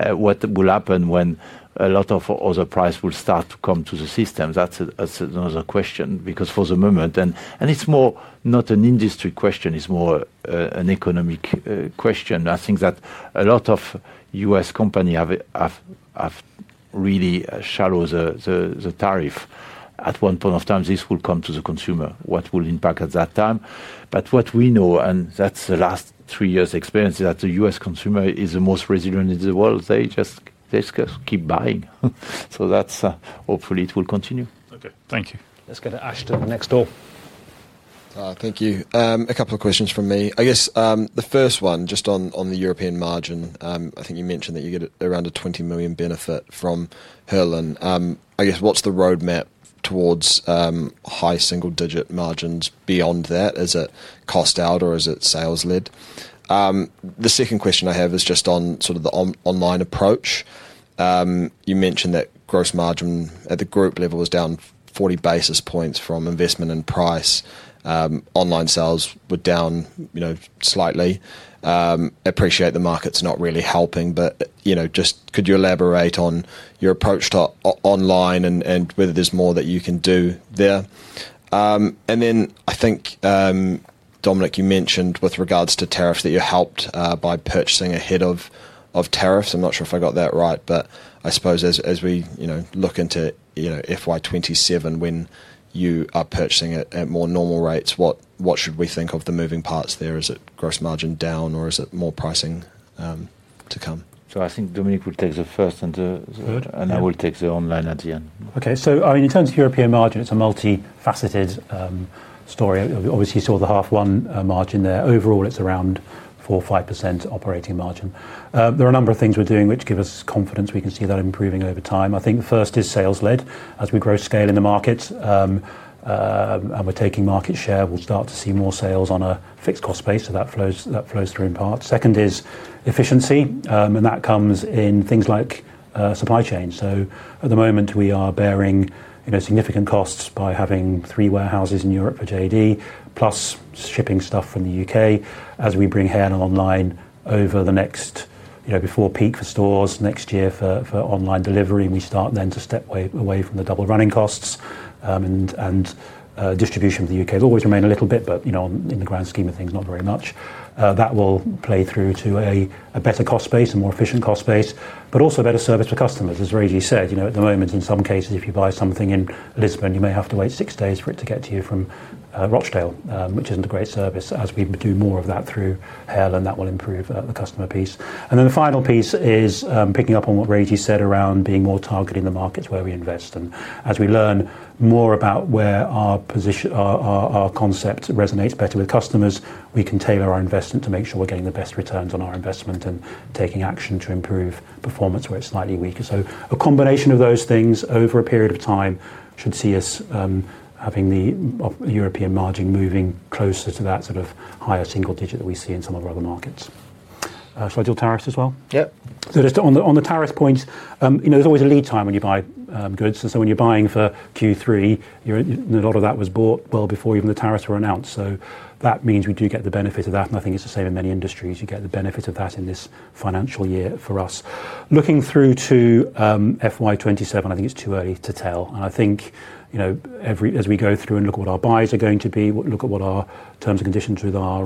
What will happen when a lot of other prices will start to come to the system? That's another question because for the moment, and it's more not an industry question, it's more an economic question. I think that a lot of US companies have really shadowed the tariff. At one point of time, this will come to the consumer. What will impact at that time? What we know, and that's the last three years' experience, is that the US consumer is the most resilient in the world. They just keep buying. Hopefully it will continue. Okay, thank you. Let's go to Ashton next door. Thank you. A couple of questions from me. I guess the first one, just on the European margin, I think you mentioned that you get around a £20 million benefit from Helen. I guess what's the roadmap towards high single-digit margins beyond that? Is it cost out or is it sales led? The second question I have is just on sort of the online approach. You mentioned that gross margin at the group level was down 40 bps from investment and price. Online sales were down, you know, slightly. I appreciate the market's not really helping, but you know, just could you elaborate on your approach to online and whether there's more that you can do there? I think, Dominic, you mentioned with regards to tariffs that you helped by purchasing ahead of tariffs. I'm not sure if I got that right, but I suppose as we look into FY2027, when you are purchasing at more normal rates, what should we think of the moving parts there? Is it gross margin down or is it more pricing to come? I think Dominic would take the first and third, and I will take the online at the end. Okay, so I mean in terms of European margin, it's a multifaceted story. Obviously, you saw the half one margin there. Overall, it's around 4-5% operating margin. There are a number of things we're doing which give us confidence. We can see that improving over time. I think the first is sales led. As we grow scale in the market and we're taking market share, we'll start to see more sales on a fixed cost base, so that flows through in part. Second is efficiency, and that comes in things like supply chain. At the moment, we are bearing significant costs by having three warehouses in Europe for JD, plus shipping stuff from the UK. As we bring Helen online over the next, you know, before peak for stores next year for online delivery, and we start then to step away from the double running costs and distribution for the UK. It'll always remain a little bit, but you know, in the grand scheme of things, not very much. That will play through to a better cost base and more efficient cost base, but also a better service for customers. As Régis said, at the moment, in some cases, if you buy something in Lisbon, you may have to wait six days for it to get to you from Rochdale, which isn't a great service. As we do more of that through Helen online, that will improve the customer piece. The final piece is picking up on what Régis said around being more targeted in the markets where we invest. As we learn more about where our position, our concept resonates better with customers, we can tailor our investment to make sure we're getting the best returns on our investment and taking action to improve performance where it's slightly weaker. A combination of those things over a period of time should see us having the European margin moving closer to that sort of higher single digit that we see in some of our other markets. Should I do tariffs as well? Yep. On the tariff points, there's always a lead time when you buy goods. When you're buying for Q3, a lot of that was bought well before even the tariffs were announced. That means we do get the benefit of that. I think it's the same in many industries. You get the benefit of that in this financial year for us. Looking through to FY2027, I think it's too early to tell. As we go through and look at what our buys are going to be, look at what our terms and conditions with our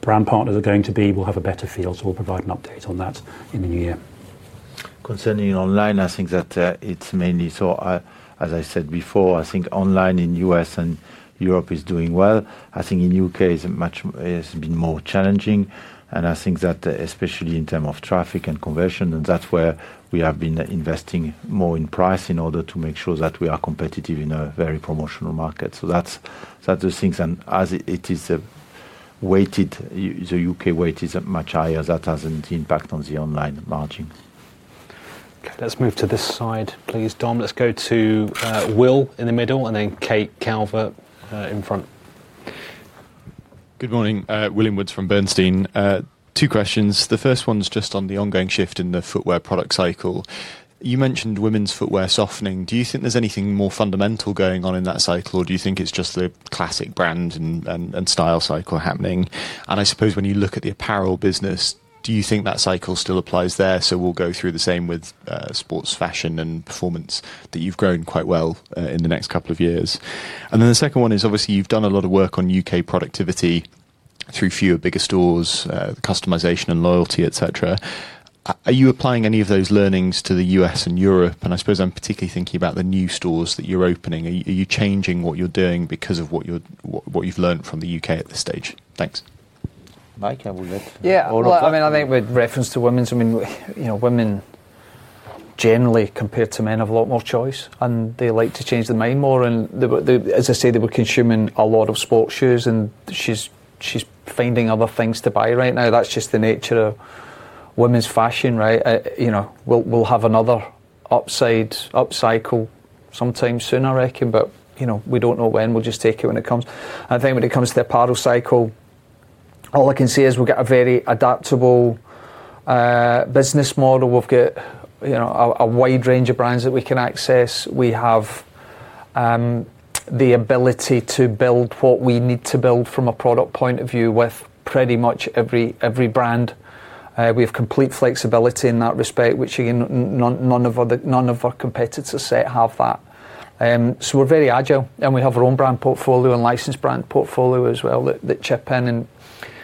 brand partners are going to be, we'll have a better feel. We'll provide an update on that in the new year. Concerning online, I think that it's mainly, as I said before, I think online in the US and Europe is doing well. I think in the UK it's been more challenging, especially in terms of traffic and conversion, and that's where we have been investing more in price in order to make sure that we are competitive in a very promotional market. That's the things, and as it is weighted, the UK weight is much higher. That has an impact on the online margin. Let's move to this side, please. Dom, let's go to Will in the middle and then Kate Calvert in front. Good morning. William Woods from Bernstein. Two questions. The first one's just on the ongoing shift in the footwear product cycle. You mentioned women's footwear softening. Do you think there's anything more fundamental going on in that cycle, or do you think it's just the classic brand and style cycle happening? I suppose when you look at the apparel business, do you think that cycle still applies there? You'll go through the same with sports fashion and performance that you've grown quite well in the next couple of years. The second one is obviously you've done a lot of work on UK productivity through fewer bigger stores, customization and loyalty, etc. Are you applying any of those learnings to the US and Europe? I suppose I'm particularly thinking about the new stores that you're opening. Are you changing what you're doing because of what you've learned from the UK at this stage? Thanks. Mike, how would you like to? Yeah, I mean, I think with reference to women's, I mean, you know, women generally compared to men have a lot more choice, and they like to change their mind more. As I said, they were consuming a lot of sports shoes, and she's finding other things to buy right now. That's just the nature of women's fashion, right? You know, we'll have another up cycle sometime soon, I reckon, but you know, we don't know when. We'll just take it when it comes. I think when it comes to the apparel cycle, all I can say is we've got a very adaptable business model. We've got, you know, a wide range of brands that we can access. We have the ability to build what we need to build from a product point of view with pretty much every brand. We have complete flexibility in that respect, which again, none of our competitors have that. We're very agile, and we have our own brand portfolio and licensed brand portfolio as well that chip in and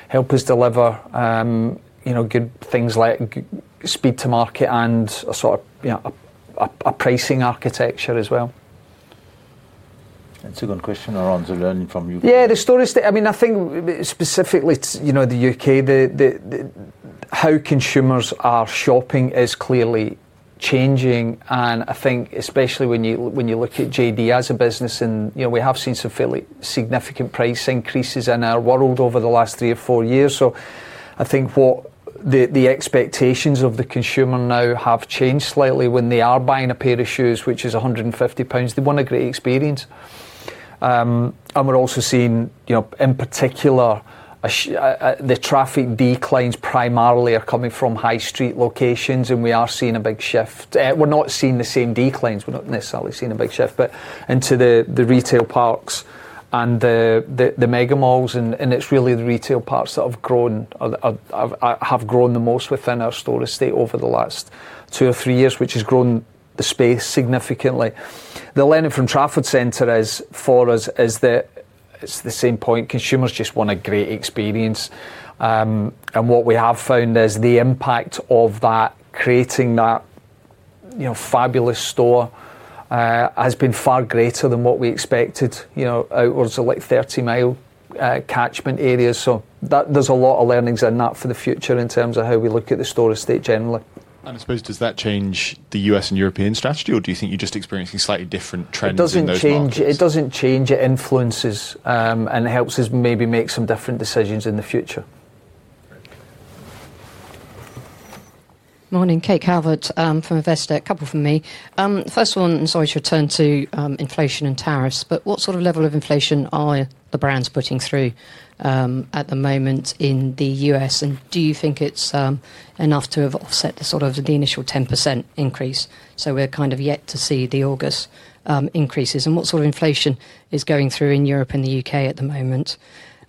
help us deliver good things like speed to market and a sort of, you know, a pricing architecture as well. Second question around learning from you. Yeah, the stories, I mean, I think specifically, you know, the UK, how consumers are shopping is clearly changing. I think especially when you look at JD as a business, and you know, we have seen some fairly significant price increases in our world over the last three or four years. I think what the expectations of the consumer now have changed slightly when they are buying a pair of shoes, which is £150. They want a great experience. We're also seeing, you know, in particular, the traffic declines primarily are coming from high street locations, and we are seeing a big shift. We're not seeing the same declines. We're not necessarily seeing a big shift, but into the retail parks and the mega malls, and it's really the retail parks that have grown the most within our store estate over the last two or three years, which has grown the space significantly. The learning from Trafford Centre is for us, it's the same point. Consumers just want a great experience. What we have found is the impact of that creating that, you know, fabulous store has been far greater than what we expected. Outwards are like 30-mile catchment areas. There's a lot of learnings in that for the future in terms of how we look at the store estate generally. Does that change the U.S. and European strategy, or do you think you're just experiencing slightly different trends in those areas? It doesn't change. It influences, and it helps us maybe make some different decisions in the future. Morning, Kate Calvert from Investec, a couple from me. First one, sorry to return to inflation and tariffs, but what sort of level of inflation are the brands putting through at the moment in the U.S.? Do you think it's enough to have offset the sort of the initial 10% increase? We're kind of yet to see the August increases. What sort of inflation is going through in Europe and the UK at the moment?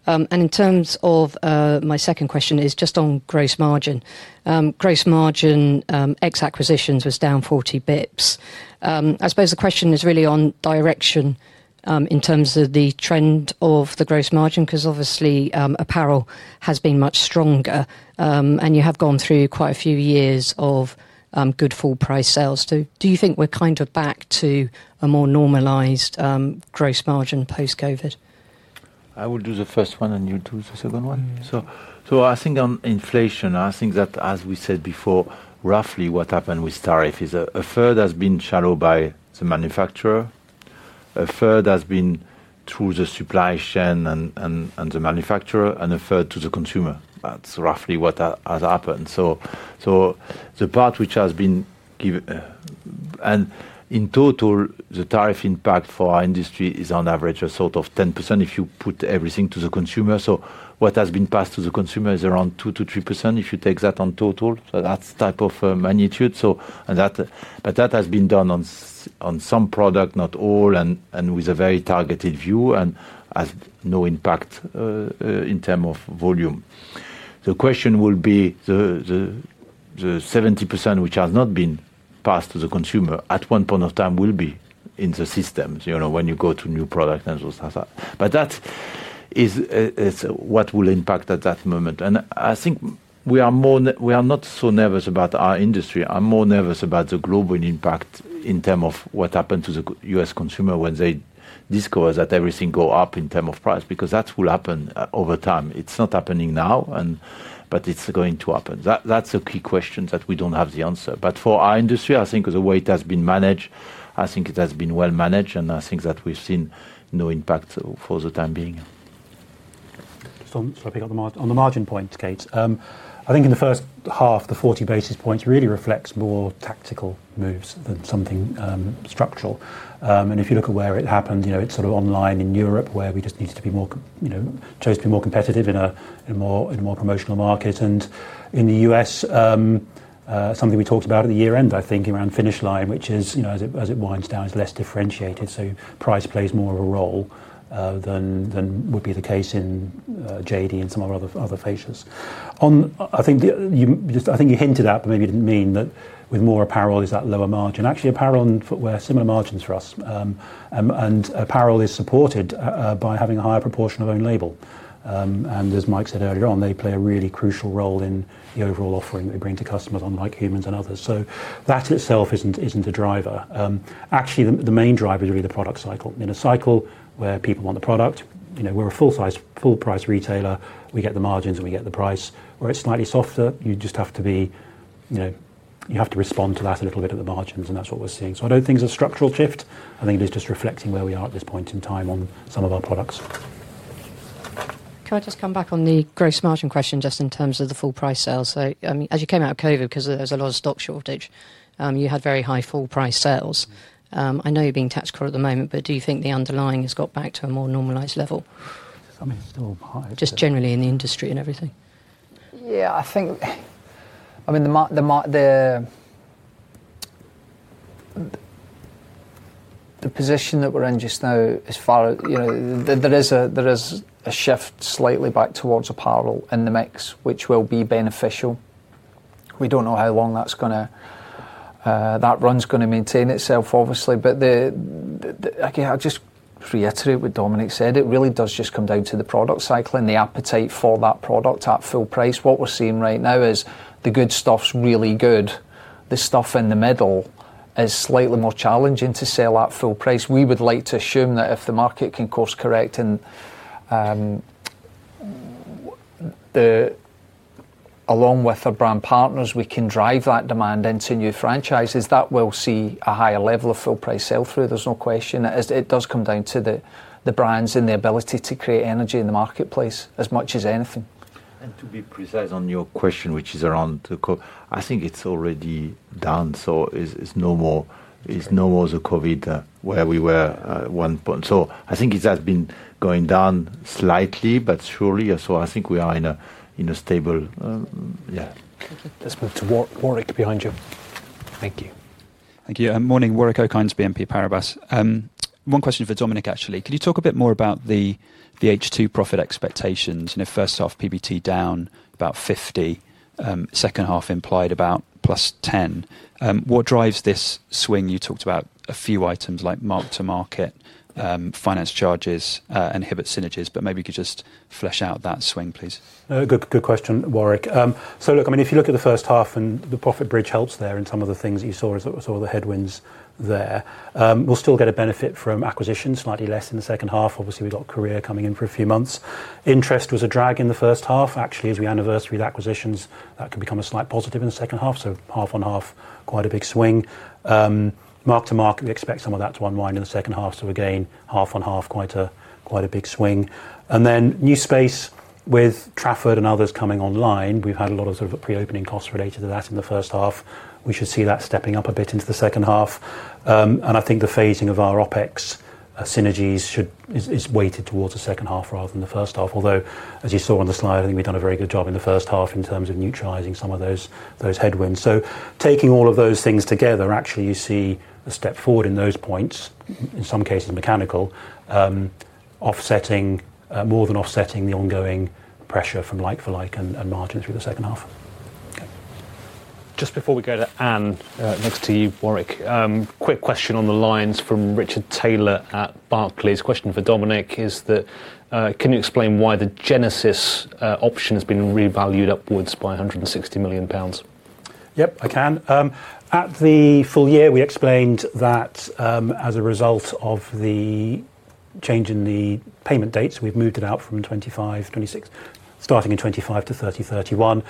In terms of my second question, just on gross margin. Gross margin ex-acquisitions was down 40 bps. I suppose the question is really on direction in terms of the trend of the gross margin because obviously apparel has been much stronger and you have gone through quite a few years of good full-price sales. Do you think we're kind of back to a more normalized gross margin post-COVID? I will do the first one and you do the second one. I think on inflation, as we said before, roughly what happened with tariff is a third has been shadowed by the manufacturer, a third has been through the supply chain and the manufacturer, and a third to the consumer. That's roughly what has happened. The part which has been, and in total, the tariff impact for our industry is on average a sort of 10% if you put everything to the consumer. What has been passed to the consumer is around 2 to 3% if you take that on total. That's a type of magnitude. That has been done on some product, not all, and with a very targeted view and has no impact in terms of volume. The question will be the 70% which has not been passed to the consumer at one point of time will be in the systems, you know, when you go to new products and those things like that. That is what will impact at that moment. I think we are more, we are not so nervous about our industry. I'm more nervous about the global impact in terms of what happened to the U.S. consumer when they discover that everything goes up in terms of price because that will happen over time. It's not happening now, but it's going to happen. That's a key question that we don't have the answer. For our industry, I think the way it has been managed, I think it has been well managed and I think that we've seen no impact for the time being. I'm swapping on the margin point, Kate. I think in the first half, the 40 basis points really reflects more tactical moves than something structural. If you look at where it happened, it's sort of online in Europe where we just needed to be more, you know, chose to be more competitive in a more promotional market. In the U.S., something we talked about at the year end, I think, around Finish Line, which is, as it winds down, it's less differentiated. Price plays more of a role than would be the case in JD and some other faces. I think you hinted at, but maybe you didn't mean, that with more apparel is that lower margin. Actually, apparel and footwear are similar margins for us. Apparel is supported by having a higher proportion of own label. As Mike said earlier on, they play a really crucial role in the overall offering that they bring to customers, unlike humans and others. That in itself isn't a driver. Actually, the main driver is really the product cycle. In a cycle where people want the product, we're a full-price retailer, we get the margins and we get the price. Where it's slightly softer, you just have to be, you know, you have to respond to that a little bit at the margins. That's what we're seeing. I don't think there's a structural shift. I think it is just reflecting where we are at this point in time on some of our products. Can I just come back on the gross margin question, just in terms of the full-price sales? As you came out of COVID, because there was a lot of stock shortage, you had very high full-price sales. I know you're being tax-cut at the moment, but do you think the underlying has got back to a more normalized level? I mean, they're all high. Just generally in the industry and everything? Yeah, I think, I mean, the position that we're in just now is far, you know, there is a shift slightly back towards apparel in the mix, which will be beneficial. We don't know how long that's going to, that run's going to maintain itself, obviously. I'll just reiterate what Dominic Platt said. It really does just come down to the product cycle and the appetite for that product at full price. What we're seeing right now is the good stuff's really good. The stuff in the middle is slightly more challenging to sell at full price. We would like to assume that if the market can course correct and along with our brand partners, we can drive that demand into new franchises, that we'll see a higher level of full-price sale through. There's no question. It does come down to the brands and the ability to create energy in the marketplace as much as anything. To be precise on your question, which is around the COVID, I think it's already done. It's no more the COVID where we were. I think it has been going down slightly, but surely, I think we are in a stable... Yeah, that's what's working behind you. Thank you. Thank you. Morning, Warwick O'Connors, BNP Paribas. One question for Dominic, actually. Could you talk a bit more about the H2 profit expectations? You know, first half PBT down about 50, second half implied about plus 10. What drives this swing? You talked about a few items like mark-to-market, finance charges, and hybrid synergies. Maybe you could just flesh out that swing, please. Good question, Warwick. If you look at the first half and the profit bridge helps there in some of the things that you saw, as I saw the headwinds there, we'll still get a benefit from acquisitions, slightly less in the second half. Obviously, we've got Courir coming in for a few months. Interest was a drag in the first half. Actually, as we anniversary the acquisitions, that could become a slight positive in the second half. Half on half, quite a big swing. Mark-to-market, we expect some of that to unwind in the second half. Half on half, quite a big swing. Then new space with Trafford and others coming online. We've had a lot of sort of pre-opening costs related to that in the first half. We should see that stepping up a bit into the second half. I think the phasing of our OpEx synergies is weighted towards the second half rather than the first half. Although, as you saw on the slide, I think we've done a very good job in the first half in terms of neutralizing some of those headwinds. Taking all of those things together, actually, you see a step forward in those points. In some cases, mechanical, more than offsetting the ongoing pressure from like-for-like and margins through the second half. Just before we go to Anne next to you, Warwick, quick question on the lines from Richard Taylor at Barclays. Question for Dominic is that, can you explain why the Genesis option has been revalued upwards by £160 million? Yep, I can. At the full year, we explained that as a result of the change in the payment dates, we've moved it out from 2025/2026, starting in 2025 to 2030/2031.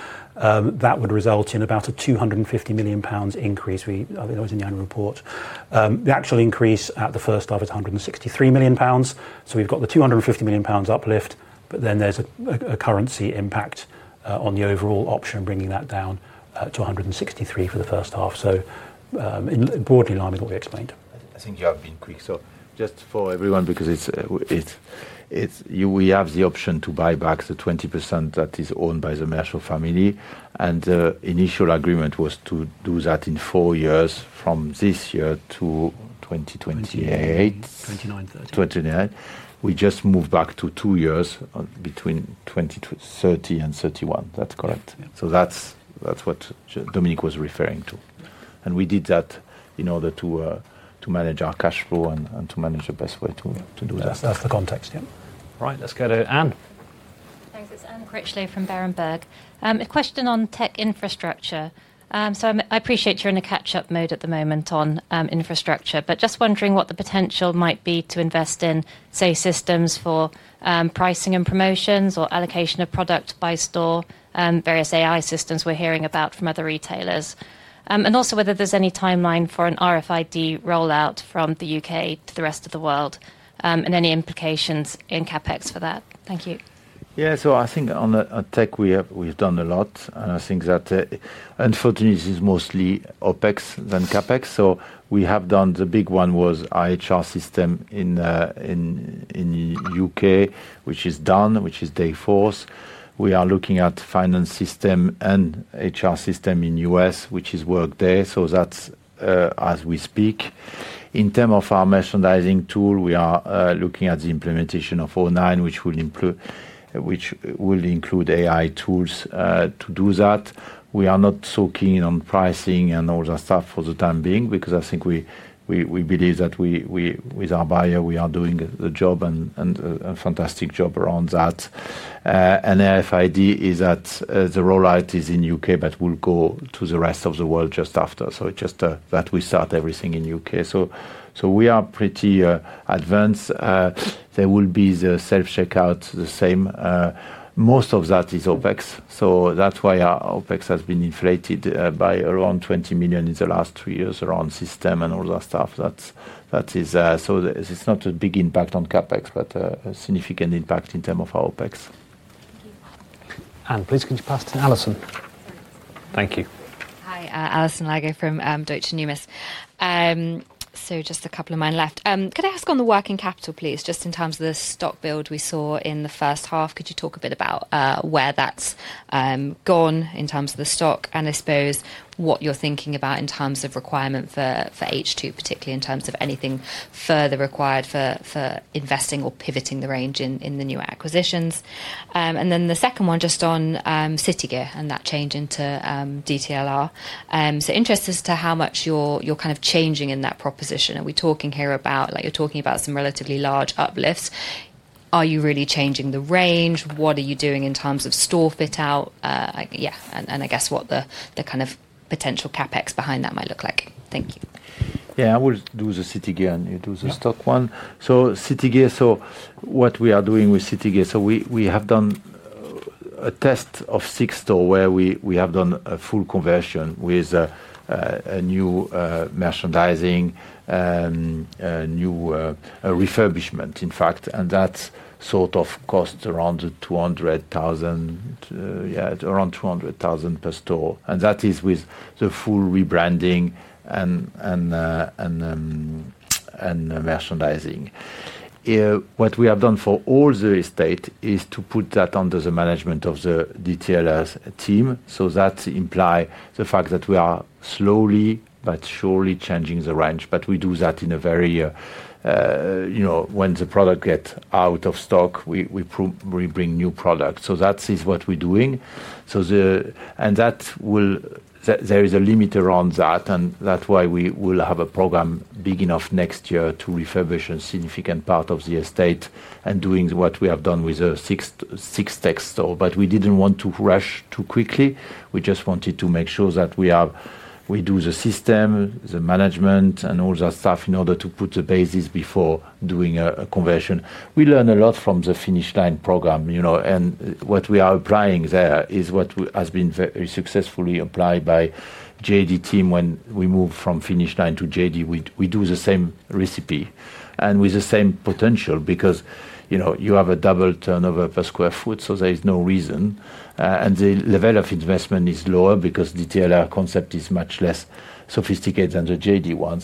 That would result in about a £250 million increase. That was in the annual report. The actual increase at the first half is £163 million. We've got the £250 million uplift, but then there's a currency impact on the overall option bringing that down to £163 million for the first half. Broadly aligned with what we explained. I think you have been quick. Just for everyone, we have the option to buy back the 20% that is owned by the Mershaw family. The initial agreement was to do that in four years from this year to 2028. 29/30. We just moved back to two years between 2029 and 2031. That's correct. That's what Dominic was referring to. We did that in order to manage our cash flow and to manage the best way to do that. That's the context, yeah. All right, let's go to Anne. Thanks, it's Anne Critchlow from Berenberg. A question on tech infrastructure. I appreciate you're in a catch-up mode at the moment on infrastructure, but just wondering what the potential might be to invest in, say, systems for pricing and promotions or allocation of product by store, various AI systems we're hearing about from other retailers. Also, whether there's any timeline for an RFID rollout from the UK to the rest of the world and any implications in CapEx for that. Thank you. Yeah, so I think on tech, we've done a lot. I think that unfortunately, it is mostly OpEx than CapEx. We have done the big one, which was our HR system in the UK, which is done, which is day four. We are looking at the finance system and HR system in the US, which is worked there. That's as we speak. In terms of our merchandising tool, we are looking at the implementation of all nine, which will include AI tools to do that. We are not so keen on pricing and all that stuff for the time being because I think we believe that with our buyer, we are doing the job and a fantastic job around that. RFID, the rollout is in the UK, but we'll go to the rest of the world just after. It's just that we start everything in the UK. We are pretty advanced. There will be the self-checkout, the same. Most of that is OpEx. That's why our OpEx has been inflated by around £20 million in the last three years around system and all that stuff. That is, it's not a big impact on CapEx, but a significant impact in terms of our OpEx. Please can you pass to Alison? Thank you. Hi, Alison Lago from Deutsche Numis. Just a couple of mine left. Could I ask on the working capital, please, just in terms of the stock build we saw in the first half? Could you talk a bit about where that's gone in terms of the stock, and I suppose what you're thinking about in terms of requirement for H2, particularly in terms of anything further required for investing or pivoting the range in the new acquisitions. The second one just on City Gear and that change into DTLR. Interested as to how much you're kind of changing in that proposition. Are we talking here about, like, you're talking about some relatively large uplifts? Are you really changing the range? What are you doing in terms of store fit out? Yeah, and I guess what the kind of potential CapEx behind that might look like. Thank you. Yeah, I would do the City Gear and do the stock one. City Gear, what we are doing with City Gear, we have done a test of six stores where we have done a full conversion with new merchandising, a new refurbishment, in fact. That sort of costs around $200,000, yeah, around $200,000 per store. That is with the full rebranding and merchandising. What we have done for all the estate is to put that under the management of the DTLR team. That implies the fact that we are slowly but surely changing the range. We do that in a very, you know, when the product gets out of stock, we bring new products. That is what we're doing. There is a limit around that. That's why we will have a program big enough next year to refurbish a significant part of the estate and doing what we have done with the six tech stores. We didn't want to rush too quickly. We just wanted to make sure that we have, we do the system, the management, and all that stuff in order to put the basis before doing a conversion. We learn a lot from the Finish Line program, you know, and what we are applying there is what has been very successfully applied by the JD team when we move from Finish Line to JD. We do the same recipe and with the same potential because, you know, you have a double turnover per square foot. There is no reason. The level of investment is lower because the DTLR concept is much less sophisticated than the JD one.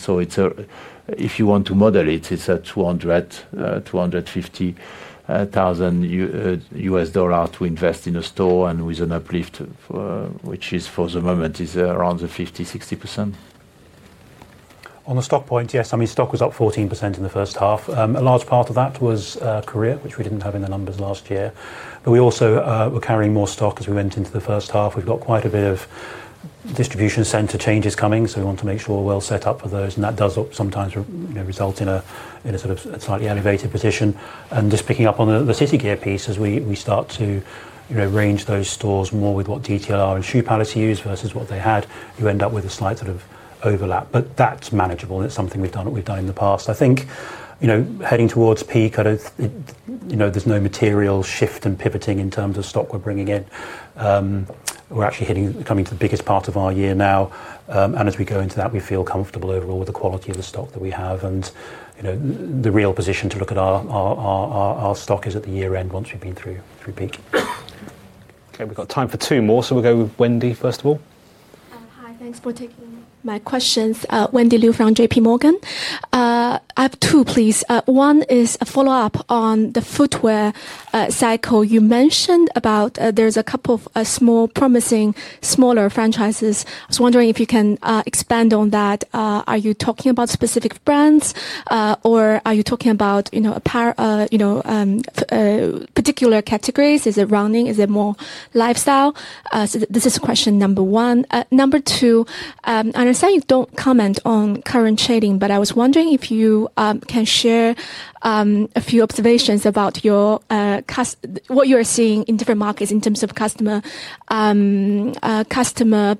If you want to model it, it's a $200,000, $250,000 investment in a store and with an uplift, which is for the moment around 50%, 60%. On the stock point, yes, I mean, stock was up 14% in the first half. A large part of that was Courir, which we didn't have in the numbers last year. We also were carrying more stock as we went into the first half. We've got quite a bit of distribution center changes coming. We want to make sure we're well set up for those. That does sometimes result in a sort of slightly elevated position. Just picking up on the City Gear piece, as we start to range those stores more with what DTLR and Shoe Palace use versus what they had, you end up with a slight sort of overlap. That's manageable. It's something we've done in the past. I think, you know, heading towards peak, I don't, you know, there's no material shift and pivoting in terms of stock we're bringing in. We're actually hitting, coming to the biggest part of our year now. As we go into that, we feel comfortable overall with the quality of the stock that we have. The real position to look at our stock is at the year end once we've been through peak. Okay, we've got time for two more. We'll go with Wendy, first of all. Hi, thanks for taking my questions. Wendy Liu from JP Morgan. I have two, please. One is a follow-up on the footwear cycle you mentioned about. There's a couple of small, promising, smaller franchises. I was wondering if you can expand on that. Are you talking about specific brands or are you talking about particular categories? Is it running? Is it more lifestyle? This is question number one. Number two, I understand you don't comment on current trading, but I was wondering if you can share a few observations about what you are seeing in different markets in terms of customer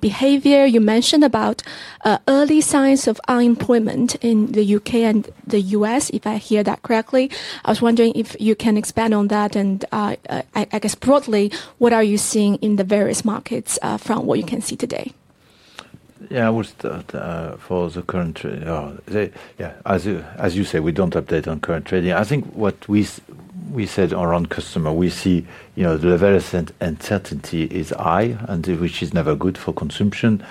behavior. You mentioned about early signs of unemployment in the UK and the US, if I hear that correctly. I was wondering if you can expand on that. I guess broadly, what are you seeing in the various markets from what you can see today? Yeah, I would start for the current trading. As you say, we don't update on current trading. I think what we said around customer, we see the level of uncertainty is high, which is never good for consumption.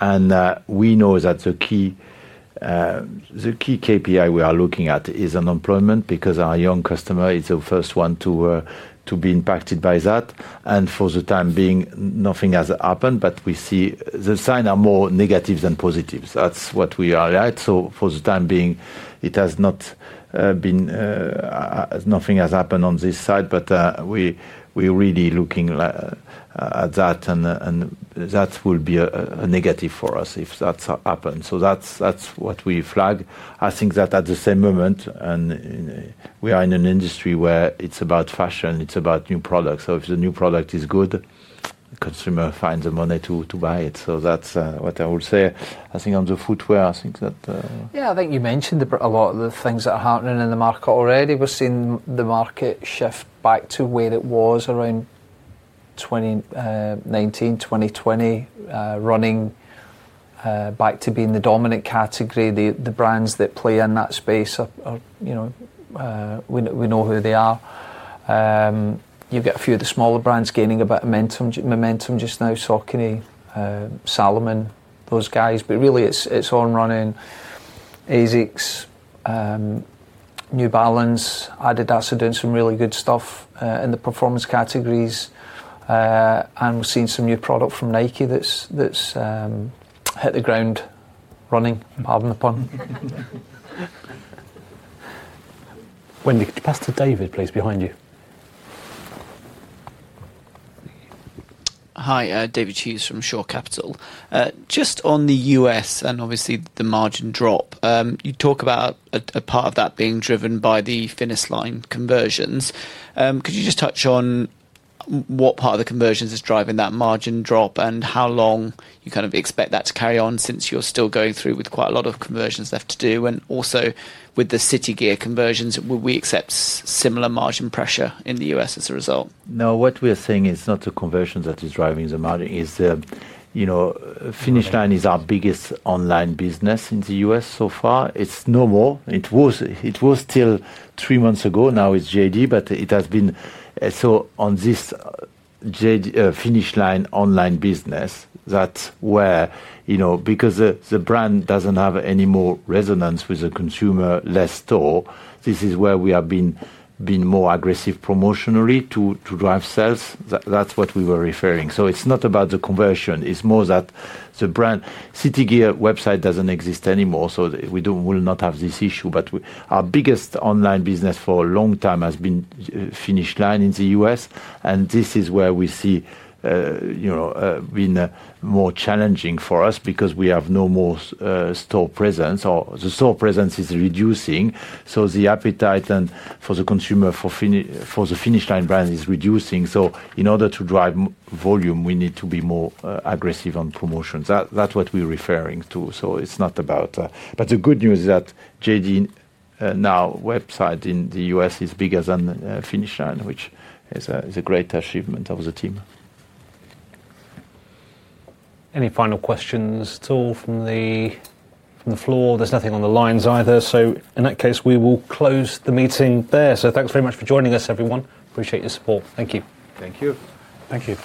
We know that the key KPI we are looking at is unemployment because our young customer is the first one to be impacted by that. For the time being, nothing has happened, but we see the signs are more negative than positive. That's what we are at. For the time being, nothing has happened on this side, but we're really looking at that. That will be a negative for us if that happens. That's what we flag. I think that at the same moment, we are in an industry where it's about fashion, it's about new products. If the new product is good, the consumer finds the money to buy it. That's what I would say. I think on the footwear, I think that... Yeah, I think you mentioned a lot of the things that are happening in the market already. We're seeing the market shift back to where it was around 2019, 2020, running back to being the dominant category. The brands that play in that space are, you know, we know who they are. You've got a few of the smaller brands gaining a bit of momentum just now, Saucony, Salomon, those guys. Really, it's On running. ASICS, New Balance, Adidas are doing some really good stuff in the performance categories. We're seeing some new products from Nike that's hit the ground running, pardon the pun. Wendy, could you pass to David, please, behind you? Hi, David Hughes from Shore Cap. Just on the U.S. and obviously the margin drop, you talk about a part of that being driven by the Finish Line conversions. Could you just touch on what part of the conversions is driving that margin drop and how long you kind of expect that to carry on since you're still going through with quite a lot of conversions left to do? Also, with the City Gear conversions, will we accept similar margin pressure in the U.S. as a result? No, what we're saying is not the conversions that is driving the margin. The Finish Line is our biggest online business in the U.S. so far. It's no more. It was still three months ago, now it's JD, but it has been. On this Finish Line online business, that's where, you know, because the brand doesn't have any more resonance with the consumer, less store, this is where we have been more aggressive promotionally to drive sales. That's what we were referring. It's not about the conversion. It's more that the brand City Gear website doesn't exist anymore. We will not have this issue. Our biggest online business for a long time has been Finish Line in the U.S., and this is where we see, you know, been more challenging for us because we have no more store presence or the store presence is reducing. The appetite for the consumer for the Finish Line brand is reducing. In order to drive volume, we need to be more aggressive on promotions. That's what we're referring to. The good news is that JD now website in the U.S. is bigger than Finish Line, which is a great achievement of the team. Any final questions at all from the floor? There's nothing on the lines either. In that case, we will close the meeting there. Thanks very much for joining us, everyone. Appreciate your support. Thank you. Thank you. Thank you.